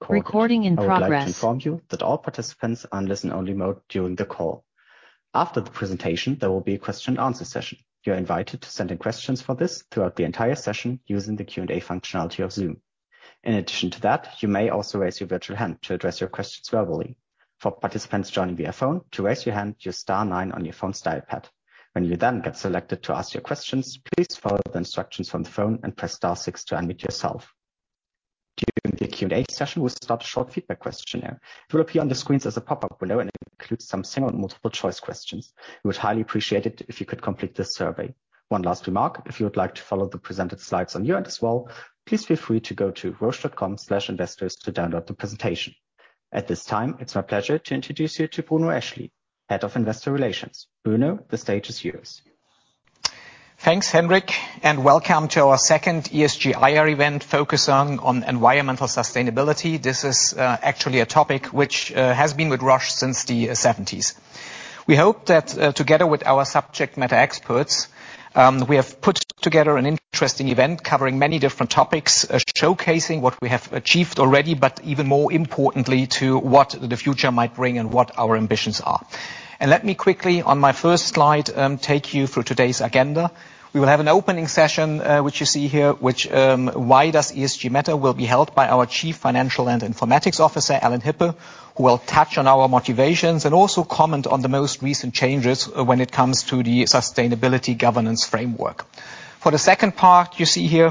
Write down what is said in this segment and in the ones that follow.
I would like to inform you that all participants are in listen-only mode during the call. After the presentation, there will be a question and answer session. You are invited to send in questions for this throughout the entire session using the Q&A functionality of Zoom. In addition to that, you may also raise your virtual hand to address your questions verbally. For participants joining via phone, to raise your hand, use star 9 on your phone's dial pad. When you then get selected to ask your questions, please follow the instructions from the phone and press star 6 to unmute yourself. During the Q&A session, we'll start a short feedback questionnaire. It will appear on the screens as a pop-up below and includes some single and multiple-choice questions. We would highly appreciate it if you could complete this survey. One last remark: if you would like to follow the presented slides on your end as well, please feel free to go to roche.com/investors to download the presentation. At this time, it's my pleasure to introduce you to Bruno Eschli, Head of Investor Relations. Bruno, the stage is yours. Thanks, Henrik, and welcome to our second ESG IR event focused on environmental sustainability. This is actually a topic which has been with Roche since the seventies. We hope that together with our subject matter experts, we have put together an interesting event covering many different topics, showcasing what we have achieved already, but even more importantly, to what the future might bring and what our ambitions are. Let me quickly, on my first slide, take you through today's agenda. We will have an opening session, which you see here, which, why does ESG matter, will be held by our Chief Financial and Informatics Officer, Alan Hippe, who will touch on our motivations and also comment on the most recent changes when it comes to the sustainability governance framework. For the second part, you see here,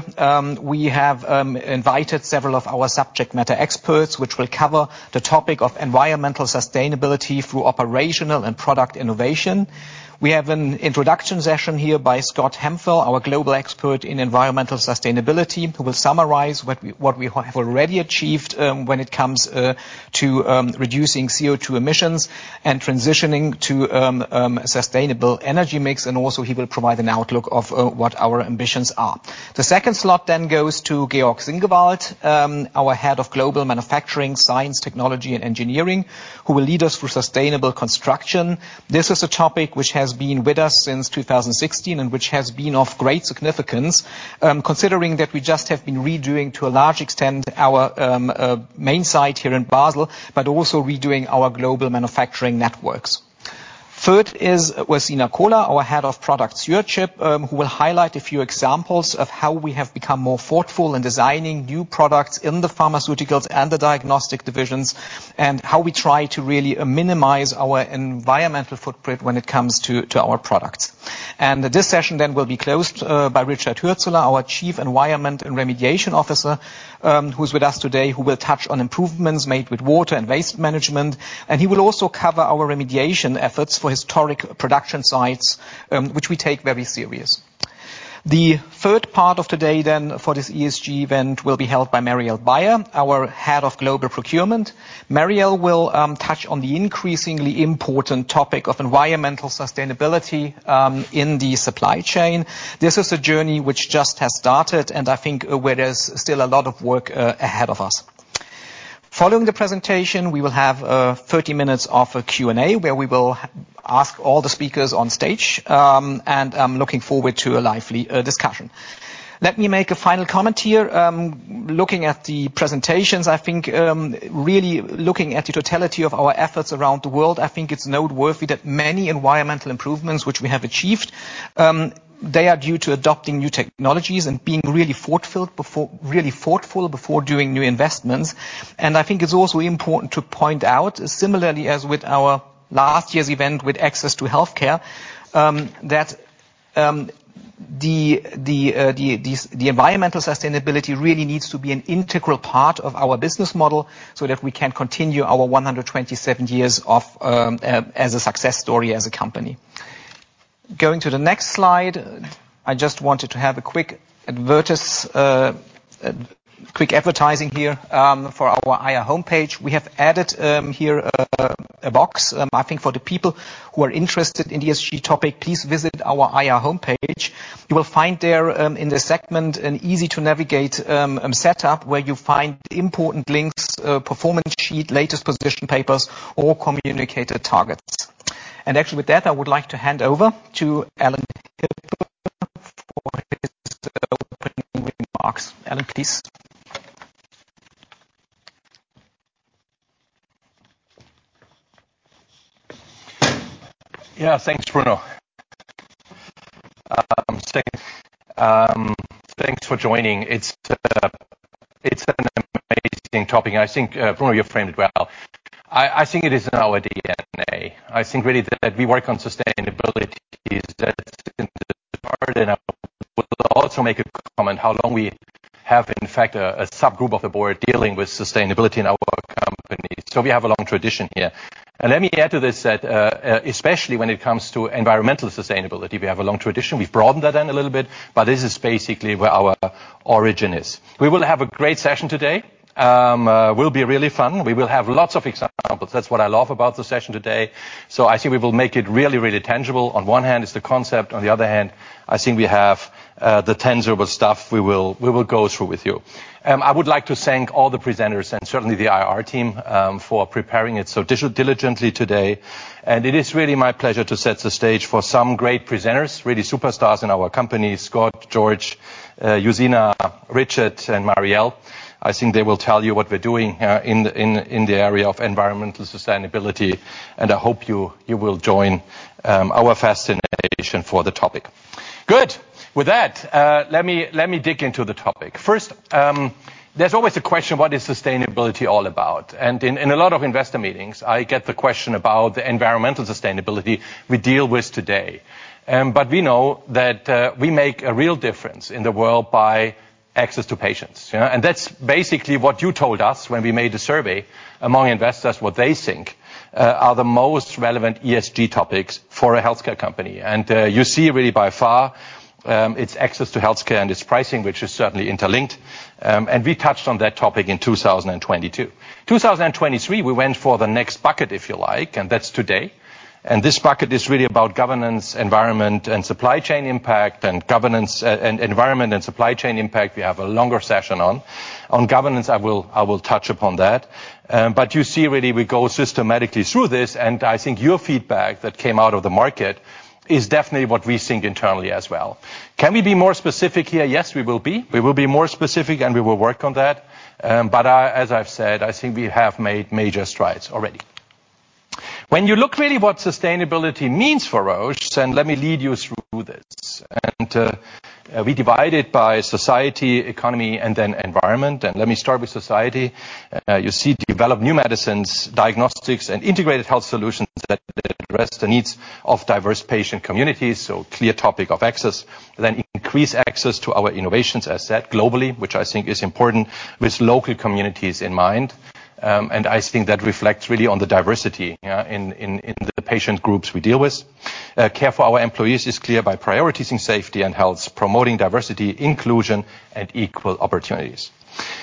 we have invited several of our subject matter experts, which will cover the topic of environmental sustainability through operational and product innovation. We have an introduction session here by Scott Hemphill, our Global Expert in Environmental Sustainability, who will summarize what we have already achieved, when it comes to reducing CO2 emissions and transitioning to sustainable energy mix. Also he will provide an outlook of what our ambitions are. The second slot goes to Georg Singewald, our Head of Global Manufacturing, Science, Technology, and Engineering, who will lead us through sustainable construction. This is a topic which has been with us since 2016, and which has been of great significance, considering that we just have been redoing, to a large extent, our main site here in Basel, but also redoing our global manufacturing networks. Third is Ursina Kohler, our Head of Product Stewardship, who will highlight a few examples of how we have become more thoughtful in designing new products in the Pharmaceuticals and the Diagnostic divisions, and how we try to really minimize our environmental footprint when it comes to our products. This session then will be closed by Richard Huerzeler, our Chief Environment and Remediation Officer, who's with us today, who will touch on improvements made with water and waste management. He will also cover our remediation efforts for historic production sites, which we take very serious. The third part of the day then for this ESG event will be held by Marielle Beyer, our Head of Global Procurement. Marielle will touch on the increasingly important topic of environmental sustainability in the supply chain. This is a journey which just has started, and I think where there's still a lot of work ahead of us. Following the presentation, we will have 30 minutes of Q&A where we will ask all the speakers on stage, and I'm looking forward to a lively discussion. Let me make a final comment here. Looking at the presentations, I think, really looking at the totality of our efforts around the world, I think it's noteworthy that many environmental improvements which we have achieved, they are due to adopting new technologies and being really thoughtful before doing new investments. I think it's also important to point out, similarly as with our last year's event with access to healthcare, that environmental sustainability really needs to be an integral part of our business model so that we can continue our 127 years as a success story as a company. Going to the next slide. I just wanted to have a quick advertising here for our IR homepage. We have added here a box. I think for the people who are interested in ESG topic, please visit our IR homepage. You will find there in the segment an easy-to-navigate setup where you'll find important links, performance sheet, latest position papers, or communicated targets. Actually with that, I would like to hand over to Alan Hippe for his opening remarks. Alan, please. Yeah. Thanks, Bruno. Thanks for joining. It's an amazing topic, and I think, Bruno, you framed it well. I think it is in our DNA. I think really that we work on sustainability is that in the heart, and I will also make a comment how long we have, in fact, a subgroup of the board dealing with sustainability in our company. We have a long tradition here. Let me add to this that, especially when it comes to environmental sustainability, we have a long tradition. We've broadened that end a little bit, but this is basically where our origin is. We will have a great session today. Will be really fun. We will have lots of examples. That's what I love about the session today. I think we will make it really, really tangible. On one hand, it's the concept. On the other hand, I think we have the tangible stuff we will go through with you. I would like to thank all the presenters and certainly the IR team for preparing it so diligently today. It is really my pleasure to set the stage for some great presenters, really superstars in our company, Scott, George, Ursina, Richard, and Marielle, I think they will tell you what we're doing in the area of environmental sustainability, and I hope you will join our fascination for the topic. Good. With that, let me dig into the topic. First, there's always the question: what is sustainability all about? In a lot of investor meetings, I get the question about the environmental sustainability we deal with today. We know that we make a real difference in the world by access to patients, you know. That's basically what you told us when we made a survey among investors, what they think are the most relevant ESG topics for a healthcare company. You see really by far, it's access to healthcare and its pricing, which is certainly interlinked. We touched on that topic in 2022. 2023, we went for the next bucket, if you like, and that's today. This bucket is really about governance, environment and supply chain impact and environment and supply chain impact, we have a longer session on. On governance, I will touch upon that. You see really we go systematically through this, and I think your feedback that came out of the market is definitely what we think internally as well. Can we be more specific here? Yes, we will be. We will be more specific, and we will work on that. I, as I've said, I think we have made major strides already. When you look really what sustainability means for Roche, let me lead you through this. We divide it by society, economy, and then environment. Let me start with society. You see develop new medicines, diagnostics, and integrated health solutions that address the needs of diverse patient communities, so clear topic of access. Increase access to our innovations asset globally, which I think is important with local communities in mind. I think that reflects really on the diversity in the patient groups we deal with. Care for our employees is clear by prioritizing safety and health, promoting diversity, inclusion, and equal opportunities.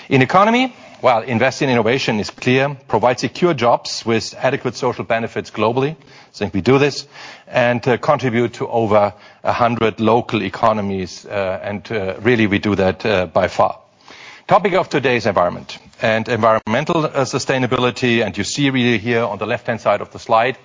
In economy, while invest in innovation is clear, provide secure jobs with adequate social benefits globally. I think we do this. Contribute to over 100 local economies, and really we do that by far. Topic of today's environment. Environmental sustainability, and you see really here on the left-hand side of the slide,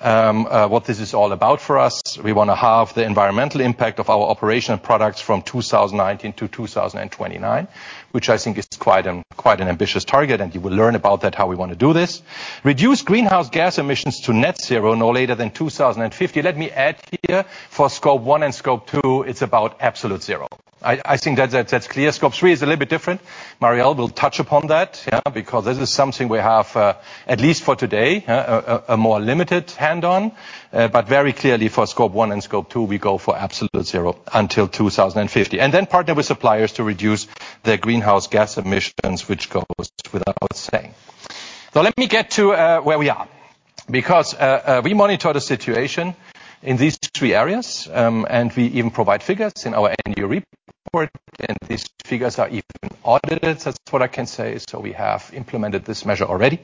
what this is all about for us. We wanna halve the environmental impact of our operation and products from 2019 to 2029, which I think is quite an ambitious target, and you will learn about that how we wanna do this. Reduce greenhouse gas emissions to net zero no later than 2050. Let me add here for Scope 1 and Scope 2, it's about absolute zero. I think that's clear. Scope 3 is a little bit different. Marielle will touch upon that, yeah, because this is something we have, at least for today, a more limited hand on. Very clearly for Scope 1 and Scope 2, we go for absolute zero until 2050. Partner with suppliers to reduce their greenhouse gas emissions, which goes without saying. Let me get to where we are. We monitor the situation in these three areas, we even provide figures in our annual report, these figures are even audited. That's what I can say. We have implemented this measure already.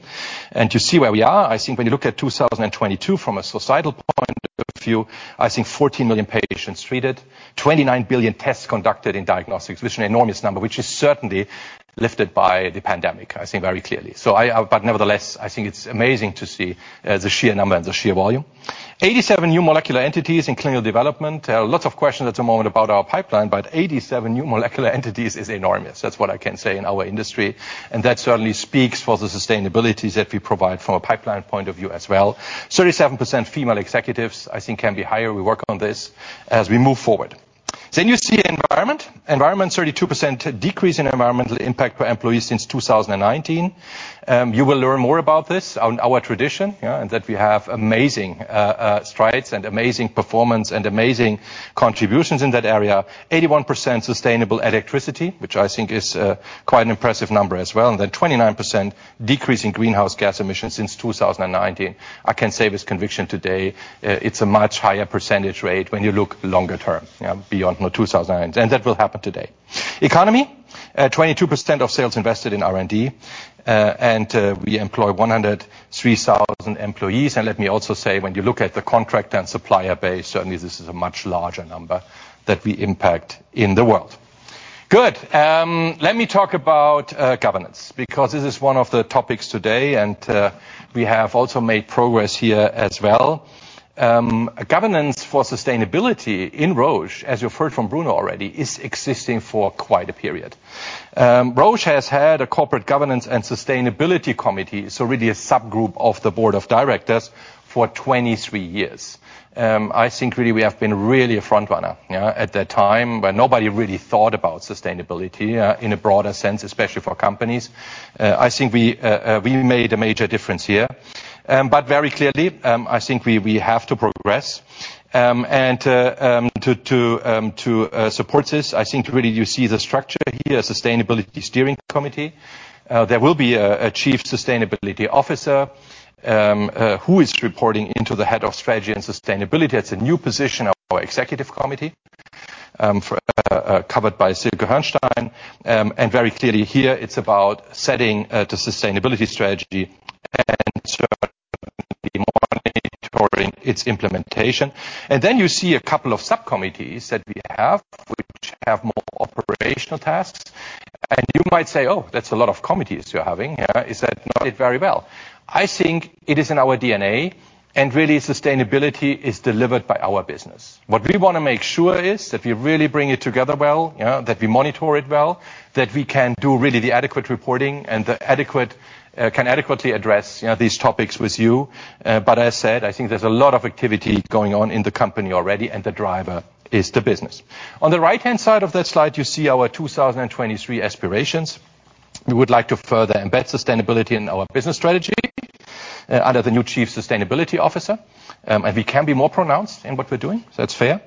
To see where we are, I think when you look at 2022 from a societal point of view, I think 40 million patients treated, 29 billion tests conducted in Diagnostics, which is an enormous number, which is certainly lifted by the pandemic, I think, very clearly. Nevertheless, I think it's amazing to see the sheer number and the sheer volume. 87 new molecular entities in clinical development. Lots of questions at the moment about our pipeline, but 87 new molecular entities is enormous. That's what I can say in our industry, and that certainly speaks for the sustainability that we provide from a pipeline point of view as well. 37% female executives, I think can be higher. We work on this as we move forward. You see environment. Environment, 32% decrease in environmental impact per employee since 2019. You will learn more about this on our tradition, yeah, and that we have amazing strides and amazing performance and amazing contributions in that area. 81% sustainable electricity, which I think is quite an impressive number as well. 29% decrease in greenhouse gas emissions since 2019. I can say with conviction today, it's a much higher percentage rate when you look longer term, you know, beyond 2000. That will happen today. Economy, 22% of sales invested in R&D. We employ 103,000 employees. Let me also say, when you look at the contract and supplier base, certainly this is a much larger number that we impact in the world. Good. Let me talk about governance, because this is one of the topics today, we have also made progress here as well. Governance for sustainability in Roche, as you heard from Bruno already, is existing for quite a period. Roche has had a Corporate Governance and Sustainability Committee, so really a subgroup of the board of directors for 23 years. I think really we have been really a front runner, you know, at that time when nobody really thought about sustainability in a broader sense, especially for companies. I think we made a major difference here. Very clearly, I think we have to progress. To support this, I think really you see the structure here, Sustainability Steering Committee. There will be a chief sustainability officer who is reporting into the head of strategy and sustainability. That's a new position of our executive committee for covered by Silke Hörnstein. Very clearly here, it's about setting the sustainability strategy and certainly monitoring its implementation. Then you see a couple of subcommittees that we have which have more operational tasks. You might say, "Oh, that's a lot of committees you're having." Yeah. Is that not it very well? I think it is in our DNA, and really sustainability is delivered by our business. What we wanna make sure is if you really bring it together well, you know, that we monitor it well, that we can do really the adequate reporting and the adequate can adequately address, you know, these topics with you. As I said, I think there's a lot of activity going on in the company already, and the driver is the business. On the right-hand side of that slide, you see our 2023 aspirations. We would like to further embed sustainability in our business strategy under the new Chief Sustainability Officer. We can be more pronounced in what we're doing. So that's fair.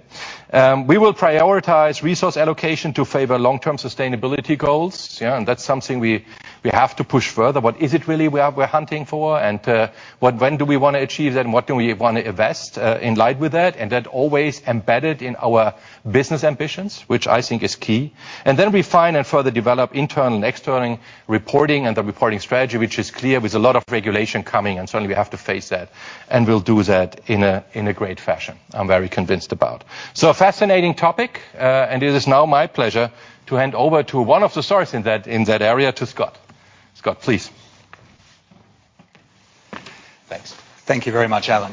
We will prioritize resource allocation to favor long-term sustainability goals. That's something we have to push further. What is it really we're hunting for and when do we wanna achieve that, and what do we wanna invest in line with that? That always embedded in our business ambitions, which I think is key. Refine and further develop internal and external reporting and the reporting strategy, which is clear with a lot of regulation coming, and certainly we have to face that, and we'll do that in a great fashion. I'm very convinced about. A fascinating topic, and it is now my pleasure to hand over to one of the source in that area to Scott. Scott, please. Thanks. Thank you very much, Alan.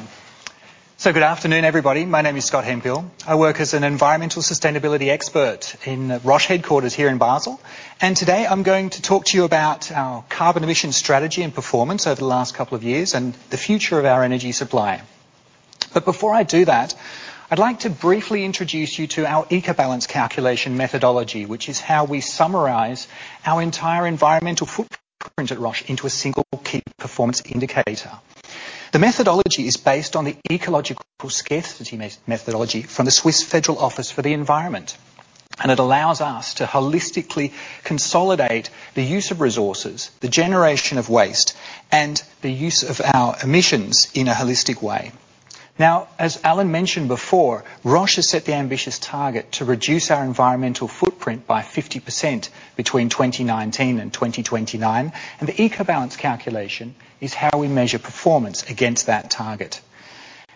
Good afternoon, everybody. My name is Scott Hemphill. I work as an environmental sustainability expert in Roche headquarters here in Basel. Today I'm going to talk to you about our carbon emission strategy and performance over the last couple of years and the future of our energy supply. Before I do that, I'd like to briefly introduce you to our Eco-Balance calculation methodology, which is how we summarize our entire environmental footprint at Roche into a single key performance indicator. The methodology is based on the Ecological Scarcity Method methodology from the Swiss Federal Office for the Environment, it allows us to holistically consolidate the use of resources, the generation of waste, and the use of our emissions in a holistic way. As Alan mentioned before, Roche has set the ambitious target to reduce our environmental footprint by 50% between 2019 and 2029. The Eco-Balance calculation is how we measure performance against that target.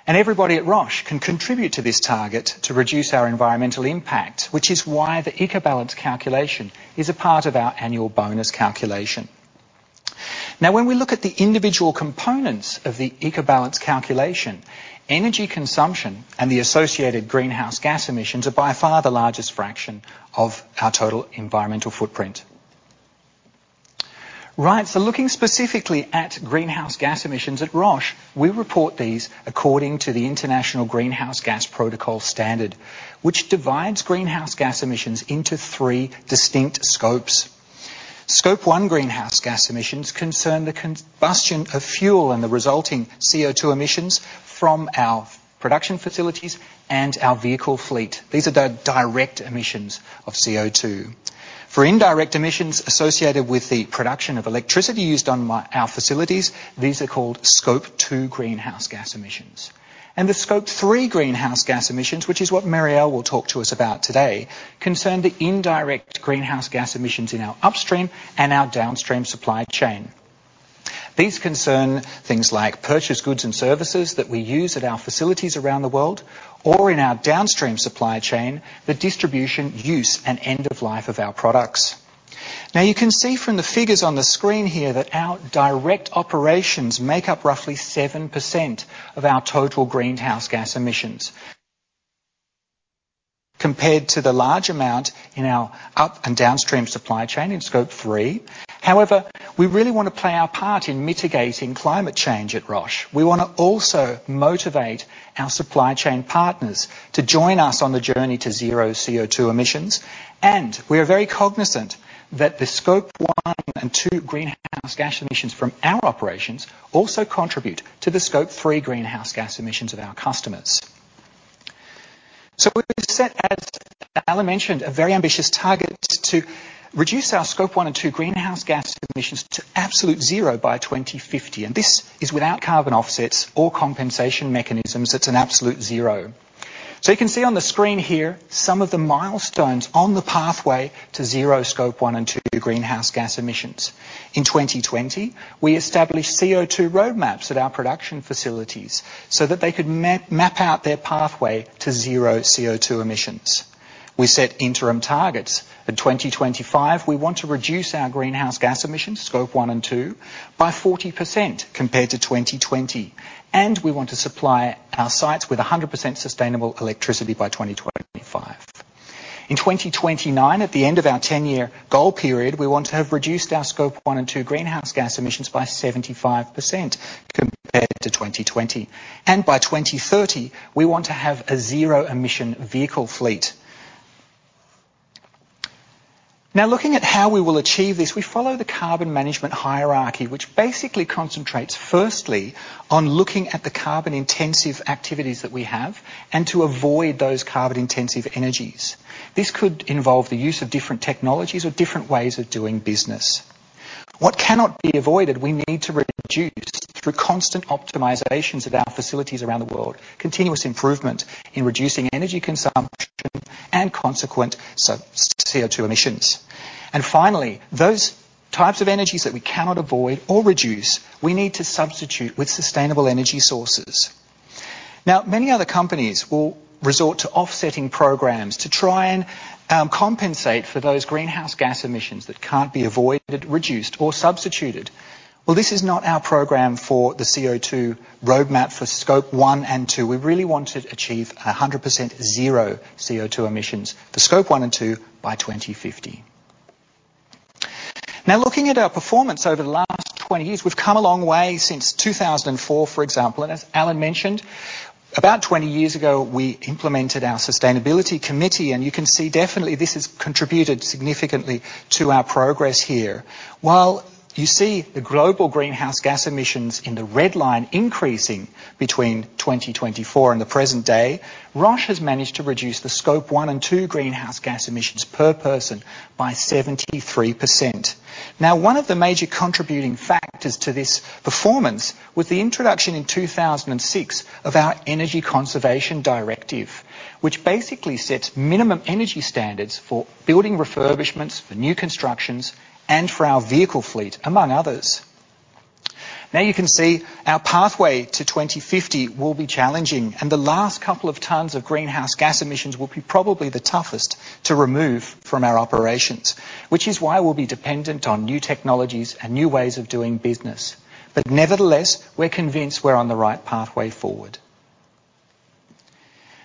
Everybody at Roche can contribute to this target to reduce our environmental impact, which is why the Eco-Balance calculation is a part of our annual bonus calculation. When we look at the individual components of the Eco-Balance calculation, energy consumption and the associated greenhouse gas emissions are by far the largest fraction of our total environmental footprint. Looking specifically at greenhouse gas emissions at Roche, we report these according to the International Greenhouse Gas Protocol standard, which divides greenhouse gas emissions into 3 distinct scopes. Scope 1 greenhouse gas emissions concern the combustion of fuel and the resulting CO2 emissions from our production facilities and our vehicle fleet. These are the direct emissions of CO2. For indirect emissions associated with the production of electricity used on our facilities, these are called Scope 2 greenhouse gas emissions. The Scope 3 greenhouse gas emissions, which is what Marielle will talk to us about today, concern the indirect greenhouse gas emissions in our upstream and our downstream supply chain. These concern things like purchased goods and services that we use at our facilities around the world or in our downstream supply chain, the distribution use and end of life of our products. You can see from the figures on the screen here that our direct operations make up roughly 7% of our total greenhouse gas emissions, compared to the large amount in our up and downstream supply chain in Scope 3. We really want to play our part in mitigating climate change at Roche. We wanna also motivate our supply chain partners to join us on the journey to zero CO2 emissions. We are very cognizant that the Scope 1 and 2 greenhouse gas emissions from our operations also contribute to the Scope 3 greenhouse gas emissions of our customers. We've set, as Alan mentioned, a very ambitious target to reduce our Scope 1 and 2 greenhouse gas emissions to absolute zero by 2050, and this is without carbon offsets or compensation mechanisms. It's an absolute zero. You can see on the screen here some of the milestones on the pathway to zero Scope 1 and 2 greenhouse gas emissions. In 2020, we established CO2 roadmaps at our production facilities so that they could map out their pathway to zero CO2 emissions. We set interim targets. In 2025, we want to reduce our greenhouse gas emissions, Scope 1 and 2, by 40% compared to 2020, and we want to supply our sites with 100% sustainable electricity by 2025. In 2029, at the end of our 10-year goal period, we want to have reduced our Scope 1 and 2 greenhouse gas emissions by 75% compared to 2020. By 2030, we want to have a 0 emission vehicle fleet. Looking at how we will achieve this, we follow the carbon management hierarchy, which basically concentrates firstly on looking at the carbon-intensive activities that we have and to avoid those carbon-intensive energies. This could involve the use of different technologies or different ways of doing business. What cannot be avoided, we need to reduce through constant optimizations of our facilities around the world, continuous improvement in reducing energy consumption and consequent CO2 emissions. Finally, those types of energies that we cannot avoid or reduce, we need to substitute with sustainable energy sources. Many other companies will resort to offsetting programs to try and compensate for those greenhouse gas emissions that can't be avoided, reduced, or substituted. This is not our program for the CO2 roadmap for Scope 1 and 2. We really want to achieve 100% zero CO2 emissions for Scope 1 and 2 by 2050. Looking at our performance over the last 20 years, we've come a long way since 2004, for example. As Alan mentioned, about 20 years ago, we implemented our sustainability committee, and you can see definitely this has contributed significantly to our progress here. While you see the global greenhouse gas emissions in the red line increasing between 2024 and the present day, Roche has managed to reduce the Scope 1 and 2 greenhouse gas emissions per person by 73%. One of the major contributing factors to this performance was the introduction in 2006 of our energy conservation directive, which basically sets minimum energy standards for building refurbishments, for new constructions, and for our vehicle fleet, among others. You can see our pathway to 2050 will be challenging, and the last couple of tons of greenhouse gas emissions will be probably the toughest to remove from our operations, which is why we'll be dependent on new technologies and new ways of doing business. Nevertheless, we're convinced we're on the right pathway forward.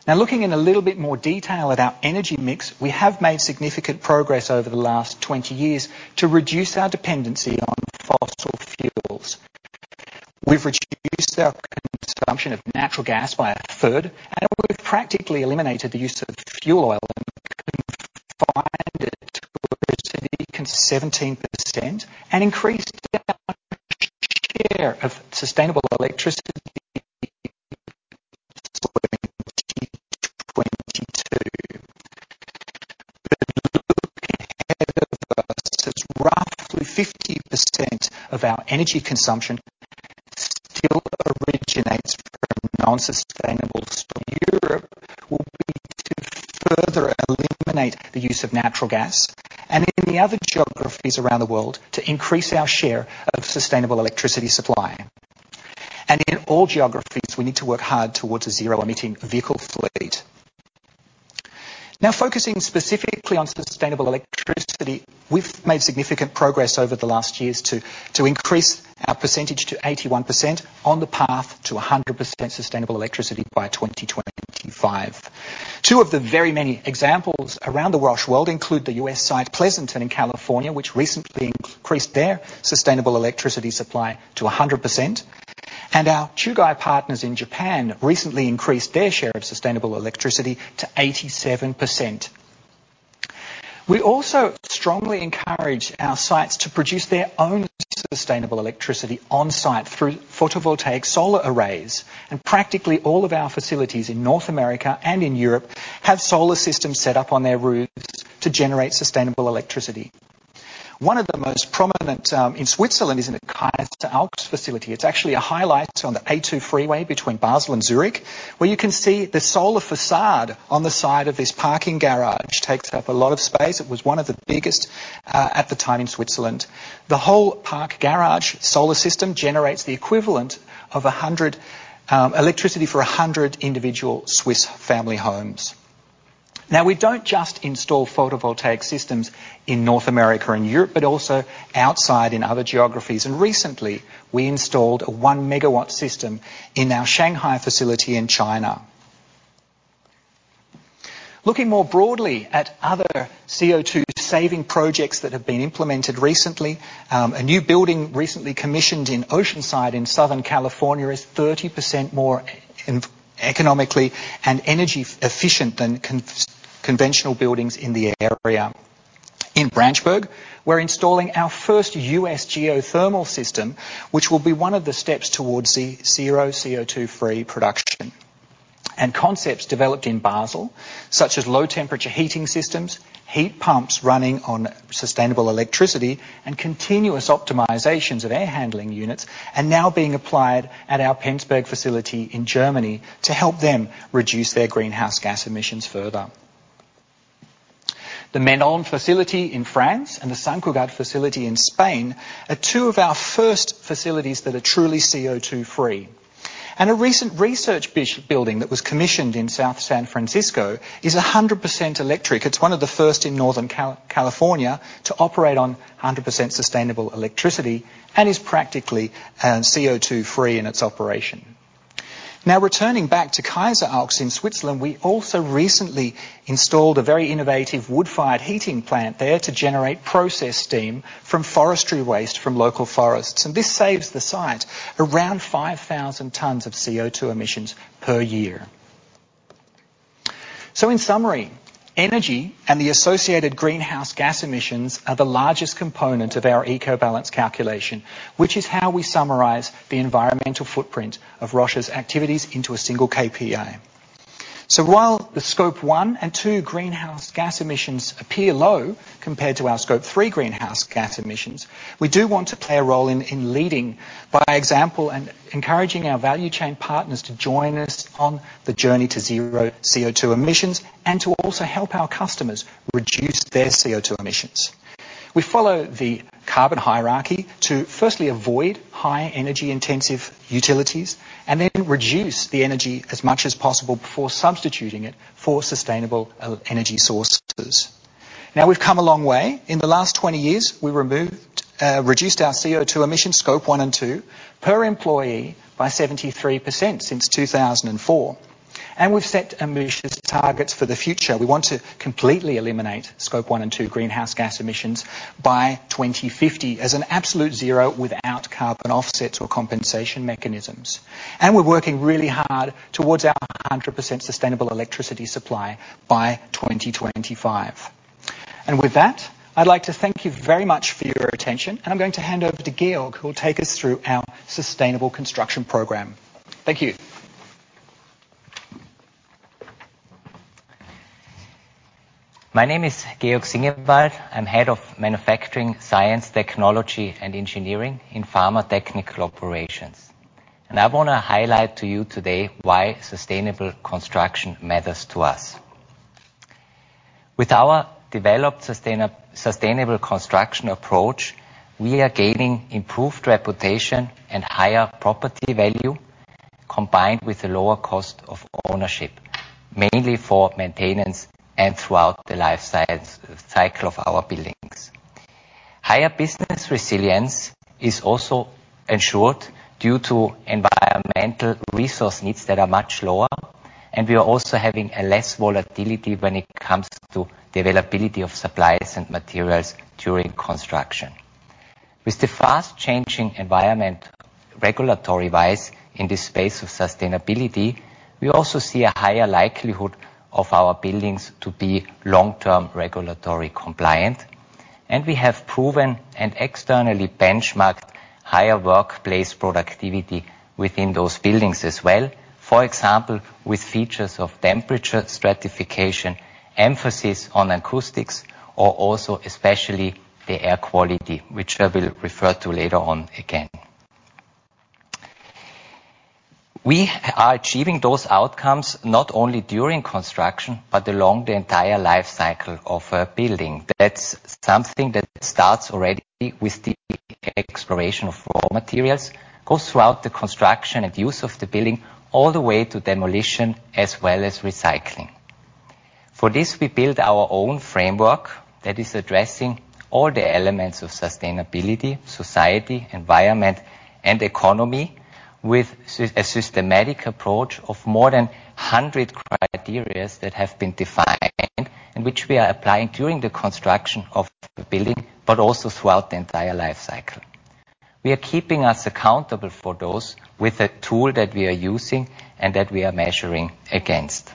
Looking in a little bit more detail at our energy mix, we have made significant progress over the last 20 years to reduce our dependency on fossil fuels. We've reduced our consumption of natural gas by a third, and we've practically eliminated the use of fuel oil and confined it to a mere 17% and increased our share of sustainable electricity to 2022. Looking ahead of us is roughly 50% of our energy consumption still originates from non-sustainable sources. Europe will need to further eliminate the use of natural gas and in the other geographies around the world to increase our share of sustainable electricity supply. In all geographies, we need to work hard towards a zero-emitting vehicle fleet. Focusing specifically on sustainable electricity, we've made significant progress over the last years to increase our percentage to 81% on the path to 100% sustainable electricity by 2025. Two of the very many examples around the Roche world include the U.S. site, Pleasanton in California, which recently increased their sustainable electricity supply to 100%, and our Chugai partners in Japan recently increased their share of sustainable electricity to 87%. We also strongly encourage our sites to produce their own sustainable electricity on-site through photovoltaic solar arrays. Practically all of our facilities in North America and in Europe have solar systems set up on their roofs to generate sustainable electricity. One of the most prominent in Switzerland is in the Kaiseraugst facility. It's actually a highlight on the A-two freeway between Basel and Zurich, where you can see the solar facade on the side of this parking garage takes up a lot of space. It was one of the biggest at the time in Switzerland. The whole park garage solar system generates the equivalent of 100 electricity for 100 individual Swiss family homes. We don't just install photovoltaic systems in North America and Europe, but also outside in other geographies. Recently, we installed a 1-megawatt system in our Shanghai facility in China. Looking more broadly at other CO2 saving projects that have been implemented recently, a new building recently commissioned in Oceanside in Southern California is 30% more economically and energy efficient than conventional buildings in the area. In Branchburg, we're installing our first US geothermal system, which will be one of the steps towards zero CO2 free production. Concepts developed in Basel, such as low-temperature heating systems, heat pumps running on sustainable electricity, and continuous optimizations of air handling units are now being applied at our Penzberg facility in Germany to help them reduce their greenhouse gas emissions further. The Meylan facility in France and the Sant Cugat facility in Spain are two of our first facilities that are truly CO2-free. A recent research building that was commissioned in South San Francisco is 100% electric. It's one of the first in Northern California to operate on 100% sustainable electricity and is practically CO2-free in its operation. Returning back to Kaiseraugst in Switzerland, we also recently installed a very innovative wood-fired heating plant there to generate process steam from forestry waste from local forests. This saves the site around 5,000 tons of CO2 emissions per year. In summary, energy and the associated greenhouse gas emissions are the largest component of our Eco-Balance calculation, which is how we summarize the environmental footprint of Roche's activities into a single KPI. While the Scope 1 and 2 greenhouse gas emissions appear low compared to our Scope 3 greenhouse gas emissions, we do want to play a role in leading by example and encouraging our value chain partners to join us on the journey to zero CO2 emissions and to also help our customers reduce their CO2 emissions. We follow the carbon hierarchy to firstly avoid high energy intensive utilities and then reduce the energy as much as possible before substituting it for sustainable energy sources. We've come a long way. In the last 20 years, we removed, reduced our CO2 emission Scope 1 and 2 per employee by 73% since 2004, and we've set ambitious targets for the future. We want to completely eliminate Scope 1 and Scope 2 greenhouse gas emissions by 2050 as an absolute zero without carbon offsets or compensation mechanisms. We're working really hard towards our 100% sustainable electricity supply by 2025. With that, I'd like to thank you very much for your attention. I'm going to hand over to Georg, who will take us through our sustainable construction program. Thank you. My name is Georg Singewald. I'm Head of Manufacturing, Science, Technology and Engineering in Pharma Technical Operations. I want to highlight to you today why sustainable construction matters to us. With our developed sustainable construction approach, we are gaining improved reputation and higher property value, combined with a lower cost of ownership, mainly for maintenance and throughout the life science cycle of our buildings. Higher business resilience is also ensured due to environmental resource needs that are much lower, and we are also having a less volatility when it comes to the availability of supplies and materials during construction. With the fast changing environment regulatory-wise in this space of sustainability, we also see a higher likelihood of our buildings to be long-term regulatory compliant. We have proven and externally benchmarked higher workplace productivity within those buildings as well. For example, with features of temperature stratification, emphasis on acoustics or also especially the air quality, which I will refer to later on again. We are achieving those outcomes not only during construction, but along the entire life cycle of a building. That's something that starts already with the exploration of raw materials, goes throughout the construction and use of the building all the way to demolition as well as recycling. For this, we build our own framework that is addressing all the elements of sustainability, society, environment and economy with a systematic approach of more than 100 criteria that have been defined and which we are applying during the construction of the building, but also throughout the entire life cycle. We are keeping us accountable for those with a tool that we are using and that we are measuring against.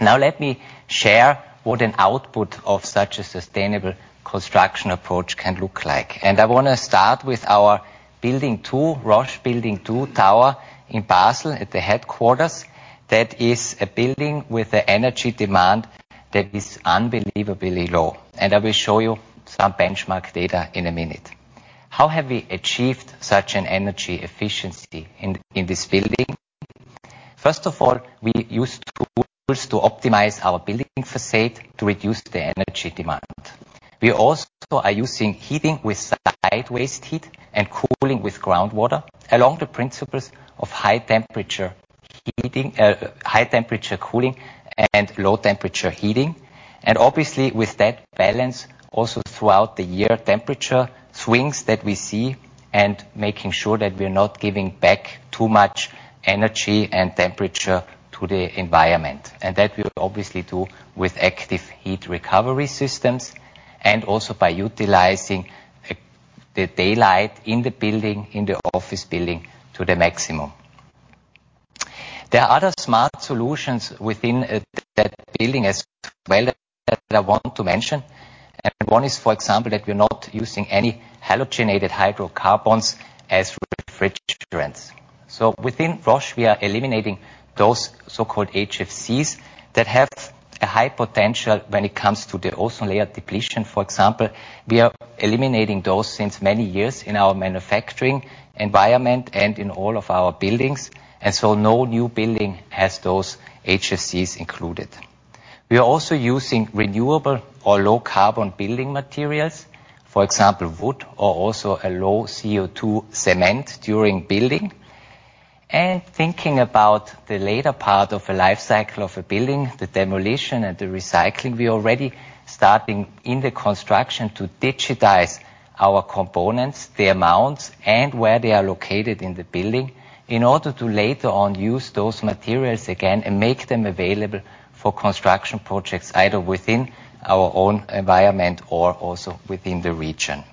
Let me share what an output of such a sustainable construction approach can look like. I want to start with our Building 2, Roche Building 2 tower in Basel at the headquarters. That is a building with an energy demand that is unbelievably low. I will show you some benchmark data in a minute. How have we achieved such an energy efficiency in this building? First of all, we use tools to optimize our building facade to reduce the energy demand. We also are using heating with site waste heat and cooling with groundwater along the principles of high temperature heating, high temperature cooling and low temperature heating. Obviously with that balance also throughout the year, temperature swings that we see and making sure that we're not giving back too much energy and temperature to the environment. That we obviously do with active heat recovery systems and also by utilizing the daylight in the building, in the office building to the maximum. There are other smart solutions within that building as well that I want to mention, and one is, for example, that we're not using any halogenated hydrocarbons as refrigerants. Within Roche we are eliminating those so-called HFCs that have a high potential when it comes to the ozone layer depletion, for example. We are eliminating those since many years in our manufacturing environment and in all of our buildings. No new building has those HFCs included. We are also using renewable or low carbon building materials, for example, wood or also a low-CO2 cement during building. Thinking about the later part of a life cycle of a building, the demolition and the recycling, we already starting in the construction to digitize our components, the amounts and where they are located in the building in order to later on use those materials again and make them available for construction projects either within our own environment or also within the region.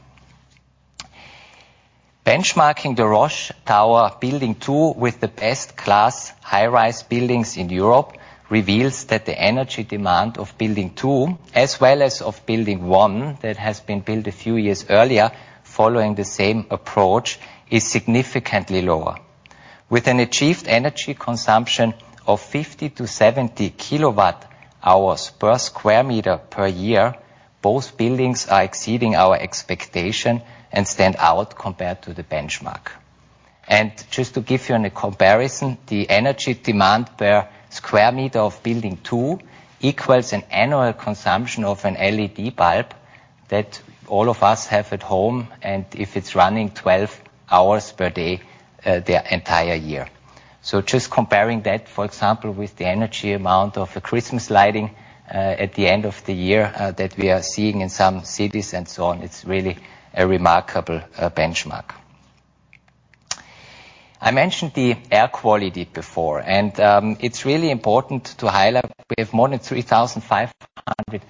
Benchmarking the Roche Tower Building two with the best-class high-rise buildings in Europe reveals that the energy demand of building two as well as of building one that has been built a few years earlier following the same approach, is significantly lower. With an achieved energy consumption of 50 to 70 kilowatt hours per square meter per year, both buildings are exceeding our expectation and stand out compared to the benchmark. Just to give you in a comparison, the energy demand per square meter of Building Two equals an annual consumption of an LED bulb that all of us have at home, and if it's running 12 hours per day, the entire year. Just comparing that, for example, with the energy amount of the Christmas lighting at the end of the year that we are seeing in some cities and so on, it's really a remarkable benchmark. I mentioned the air quality before. It's really important to highlight we have more than 3,500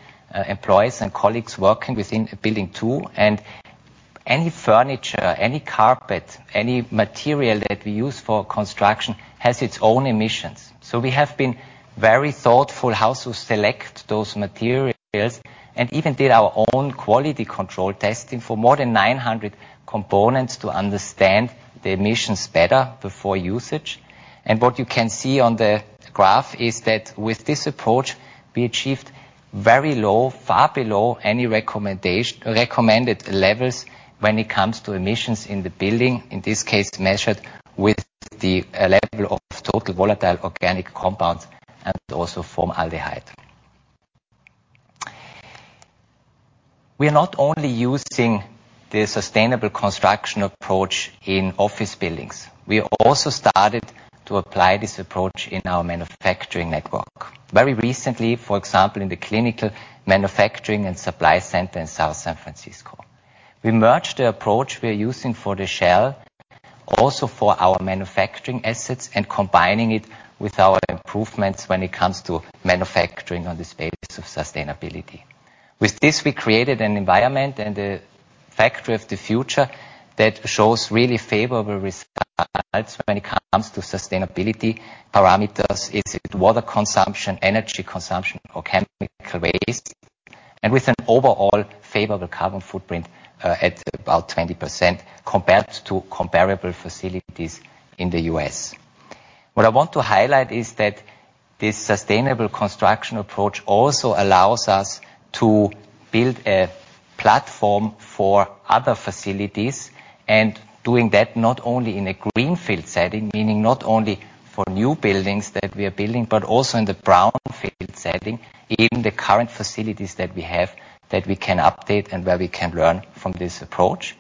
employees and colleagues working within Building Two, and any furniture, any carpet, any material that we use for construction has its own emissions. We have been very thoughtful how to select those materials and even did our own quality control testing for more than 900 components to understand the emissions better before usage. What you can see on the graph is that with this approach, we achieved very low, far below any recommended levels when it comes to emissions in the building. In this case, measured with the level of total volatile organic compounds and also formaldehyde. We are not only using the sustainable construction approach in office buildings, we also started to apply this approach in our manufacturing network very recently, for example, in the Clinical Manufacturing and Supply Center in South San Francisco. We merged the approach we are using for the shell also for our manufacturing assets and combining it with our improvements when it comes to manufacturing on this basis of sustainability. With this, we created an environment and a factory of the future that shows really favorable results when it comes to sustainability parameters. Is it water consumption, energy consumption or chemical waste? With an overall favorable carbon footprint at about 20% compared to comparable facilities in the US. What I want to highlight is that this sustainable construction approach also allows us to build a platform for other facilities, doing that not only in a greenfield setting, meaning not only for new buildings that we are building, but also in the brownfield setting, even the current facilities that we have that we can update and where we can learn from this approach.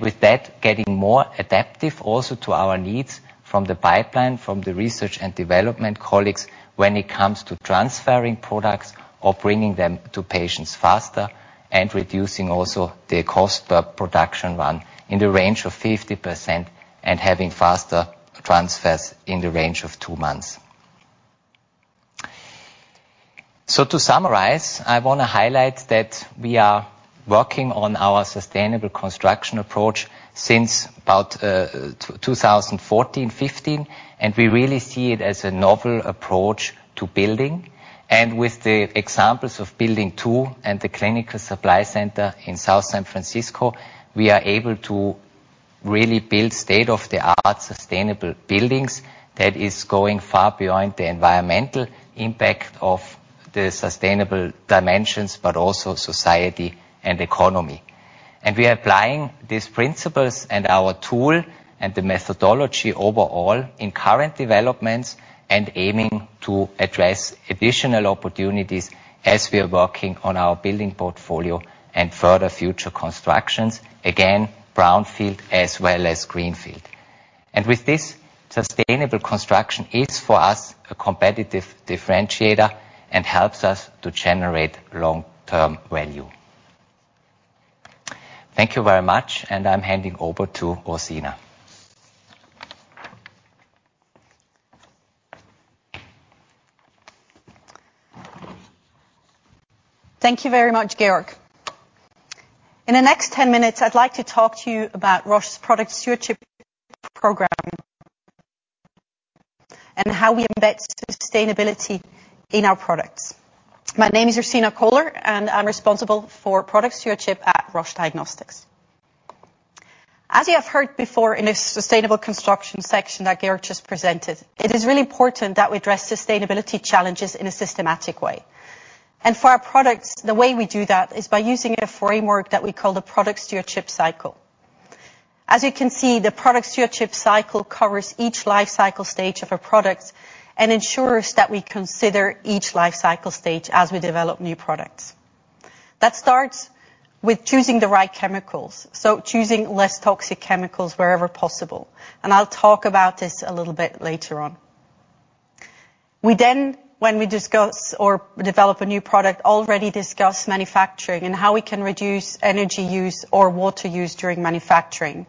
With that, getting more adaptive also to our needs from the pipeline, from the research and development colleagues when it comes to transferring products or bringing them to patients faster and reducing also the cost per production run in the range of 50% and having faster transfers in the range of two months. To summarize, I wanna highlight that we are working on our sustainable construction approach since about 2014, '15, and we really see it as a novel approach to building. With the examples of Building Two and the Clinical Supply Center in South San Francisco, we are able to really build state-of-the-art sustainable buildings that is going far beyond the environmental impact of the sustainable dimensions, but also society and economy. We are applying these principles and our tool and the methodology overall in current developments and aiming to address additional opportunities as we are working on our building portfolio and further future constructions. Again, brownfield as well as greenfield. With this sustainable construction is for us a competitive differentiator and helps us to generate long-term value. Thank you very much, and I'm handing over to Ursina. Thank you very much, Georg. In the next 10 minutes, I'd like to talk to you about Roche's product stewardship program and how we embed sustainability in our products. My name is Ursina Kohler, and I'm responsible for product stewardship at Roche Diagnostics. As you have heard before in a sustainable construction section that Georg just presented, it is really important that we address sustainability challenges in a systematic way. For our products, the way we do that is by using a framework that we call the product stewardship cycle. As you can see, the product stewardship cycle covers each life cycle stage of a product and ensures that we consider each life cycle stage as we develop new products. That starts with choosing the right chemicals, so choosing less toxic chemicals wherever possible. I'll talk about this a little bit later on. We, when we discuss or develop a new product, already discuss manufacturing and how we can reduce energy use or water use during manufacturing.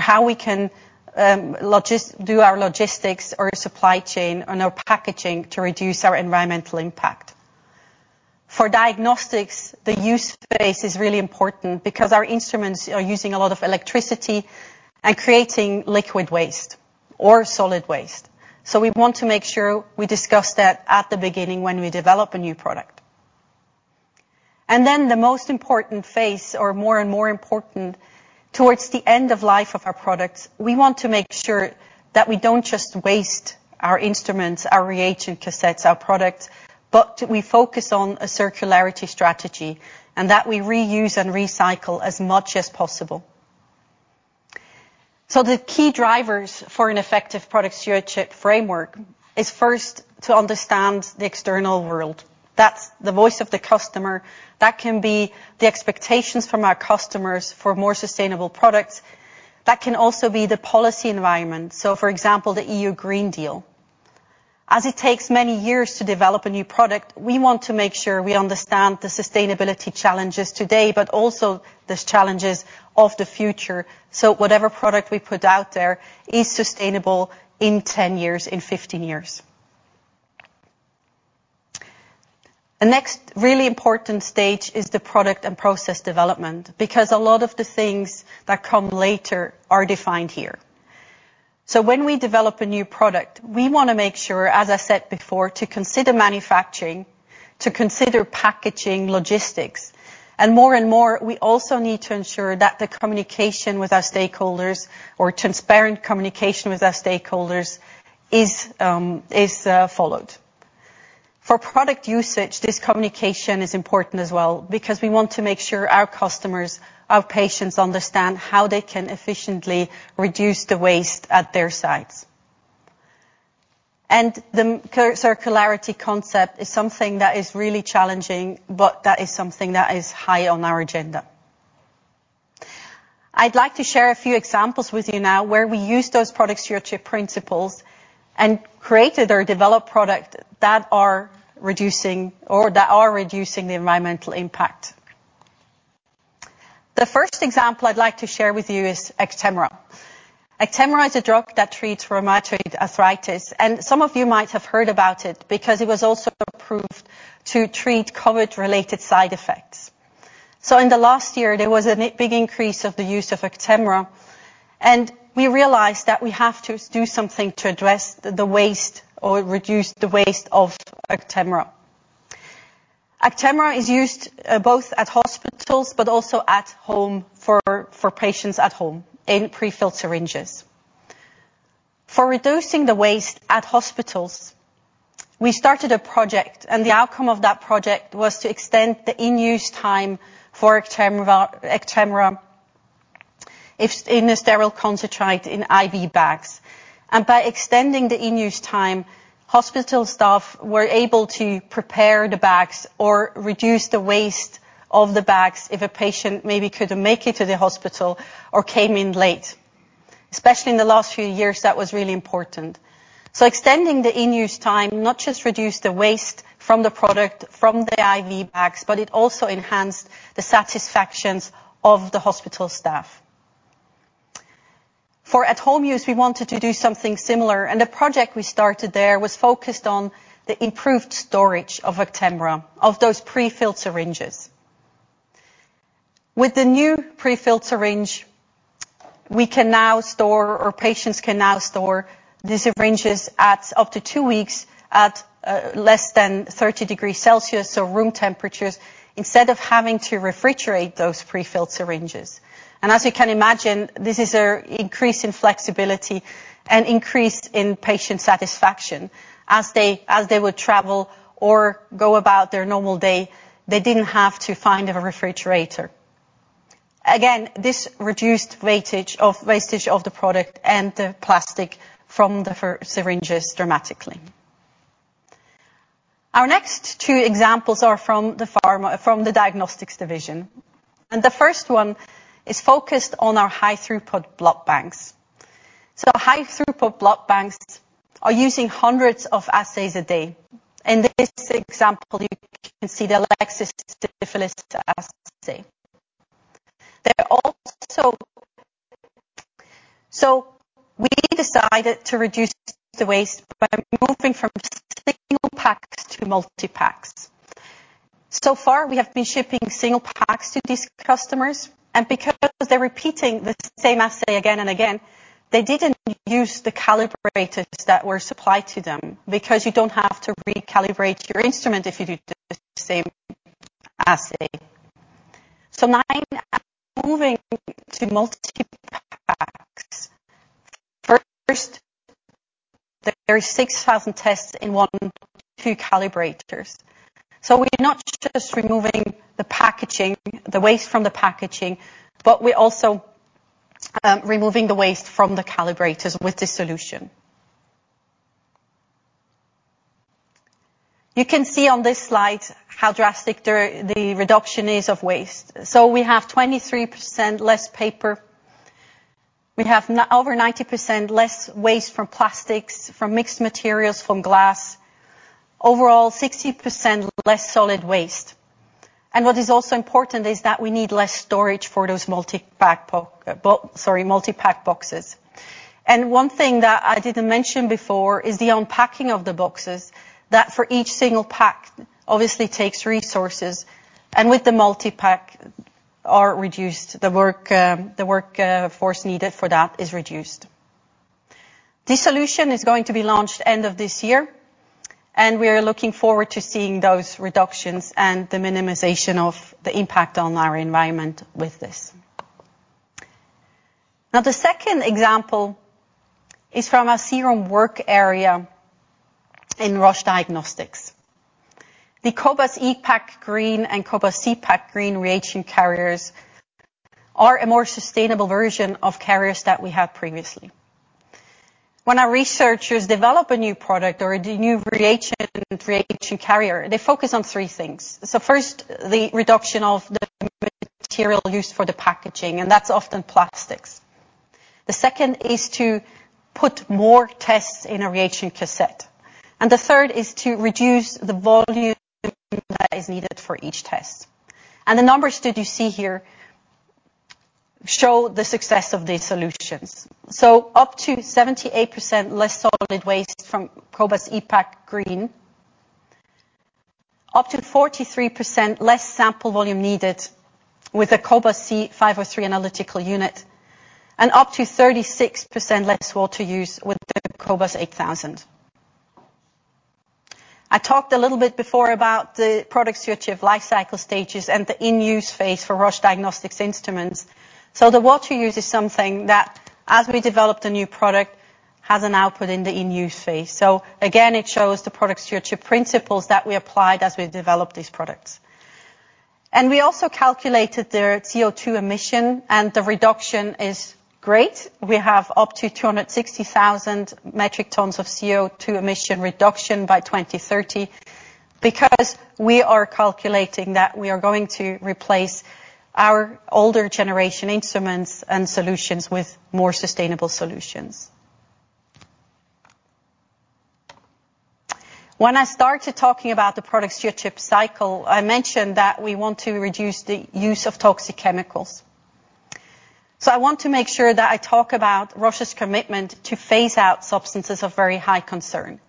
How we can do our logistics or supply chain and our packaging to reduce our environmental impact. For Diagnostics, the use phase is really important because our instruments are using a lot of electricity and creating liquid waste or solid waste. We want to make sure we discuss that at the beginning when we develop a new product. The most important phase or more and more important towards the end of life of our products, we want to make sure that we don't just waste our instruments, our reagent cassettes, our products, but we focus on a circularity strategy, and that we reuse and recycle as much as possible. The key drivers for an effective product stewardship framework is first to understand the external world. That's the voice of the customer. That can be the expectations from our customers for more sustainable products. That can also be the policy environment. For example, the EU Green Deal. As it takes many years to develop a new product, we want to make sure we understand the sustainability challenges today, but also those challenges of the future, so whatever product we put out there is sustainable in 10 years, in 15 years. The next really important stage is the product and process development, because a lot of the things that come later are defined here. When we develop a new product, we wanna make sure, as I said before, to consider manufacturing, to consider packaging, logistics, and more and more, we also need to ensure that the communication with our stakeholders or transparent communication with our stakeholders is followed. For product usage, this communication is important as well because we want to make sure our customers, our patients understand how they can efficiently reduce the waste at their sites. The circularity concept is something that is really challenging, but that is something that is high on our agenda. I'd like to share a few examples with you now where we use those product stewardship principles and created or developed product that are reducing the environmental impact. The first example I'd like to share with you is Actemra. Actemra is a drug that treats rheumatoid arthritis. Some of you might have heard about it because it was also approved to treat COVID-related side effects. In the last year, there was a big increase of the use of Actemra. We realized that we have to do something to address the waste or reduce the waste of Actemra. Actemra is used both at hospitals, also at home for patients at home in prefilled syringes. For reducing the waste at hospitals, we started a project. The outcome of that project was to extend the in-use time for Actemra in a sterile concentrate in IV bags. By extending the in-use time, hospital staff were able to prepare the bags or reduce the waste of the bags if a patient maybe couldn't make it to the hospital or came in late. Especially in the last few years, that was really important. Extending the in-use time not just reduced the waste from the product, from the IV bags, but it also enhanced the satisfactions of the hospital staff. For at home use, we wanted to do something similar. The project we started there was focused on the improved storage of Actemra, of those prefilled syringes. With the new prefilled syringe, we can now store, or patients can now store these syringes at up to 2 weeks at less than 30 degrees Celsius, so room temperatures, instead of having to refrigerate those prefilled syringes. As you can imagine, this is an increase in flexibility and increase in patient satisfaction. As they would travel or go about their normal day, they didn't have to find a refrigerator. Again, this reduced weightage of... wastage of the product and the plastic from the syringes dramatically. Our next 2 examples are from the Diagnostics division, the first one is focused on our high-throughput blood banks. High-throughput blood banks are using hundreds of assays a day. In this example, you can see the Elecsys Syphilis assay. We decided to reduce the waste by moving from single packs to multi-packs. Far, we have been shipping single packs to these customers, and because they're repeating the same assay again and again, they didn't use the calibrators that were supplied to them because you don't have to recalibrate your instrument if you do the same assay. Now moving to multi-packs. First, there are 6,000 tests in 2 calibrators. We're not just removing the packaging, the waste from the packaging, but we're also removing the waste from the calibrators with this solution. You can see on this slide how drastic the reduction is of waste. We have 23% less paper. We have over 90% less waste from plastics, from mixed materials, from glass. Overall, 60% less solid waste. What is also important is that we need less storage for those multi-pack boxes. One thing that I didn't mention before is the unpacking of the boxes that for each single pack obviously takes resources, and with the multi-pack are reduced. The work force needed for that is reduced. This solution is going to be launched end of this year. We are looking forward to seeing those reductions and the minimization of the impact on our environment with this. Now, the second example is from our serum work area in Roche Diagnostics. The cobas e-pack green and cobas c-pack green reagent carriers are a more sustainable version of carriers that we had previously. When our researchers develop a new product or a new reagent and reagent carrier, they focus on 3 things. First, the reduction of the material used for the packaging, and that's often plastics. The second is to put more tests in a reagent cassette. The third is to reduce the volume that is needed for each test. The numbers that you see here show the success of these solutions. Up to 78% less solid waste from cobas e-pack green, up to 43% less sample volume needed with a cobas c 503 analytical unit, up to 36% less water use with the cobas 8000. I talked a little bit before about the product stewardship life cycle stages and the in-use phase for Roche Diagnostics instruments. The water use is something that, as we developed a new product, has an output in the in-use phase. Again, it shows the product stewardship principles that we applied as we developed these products. We also calculated their CO₂ emission, the reduction is great. We have up to 260,000 metric tons of CO₂ emission reduction by 2030 because we are calculating that we are going to replace our older generation instruments and solutions with more sustainable solutions. When I started talking about the product stewardship cycle, I mentioned that we want to reduce the use of toxic chemicals. I want to make sure that I talk about Roche's commitment to phase out Substances of Very High Concern.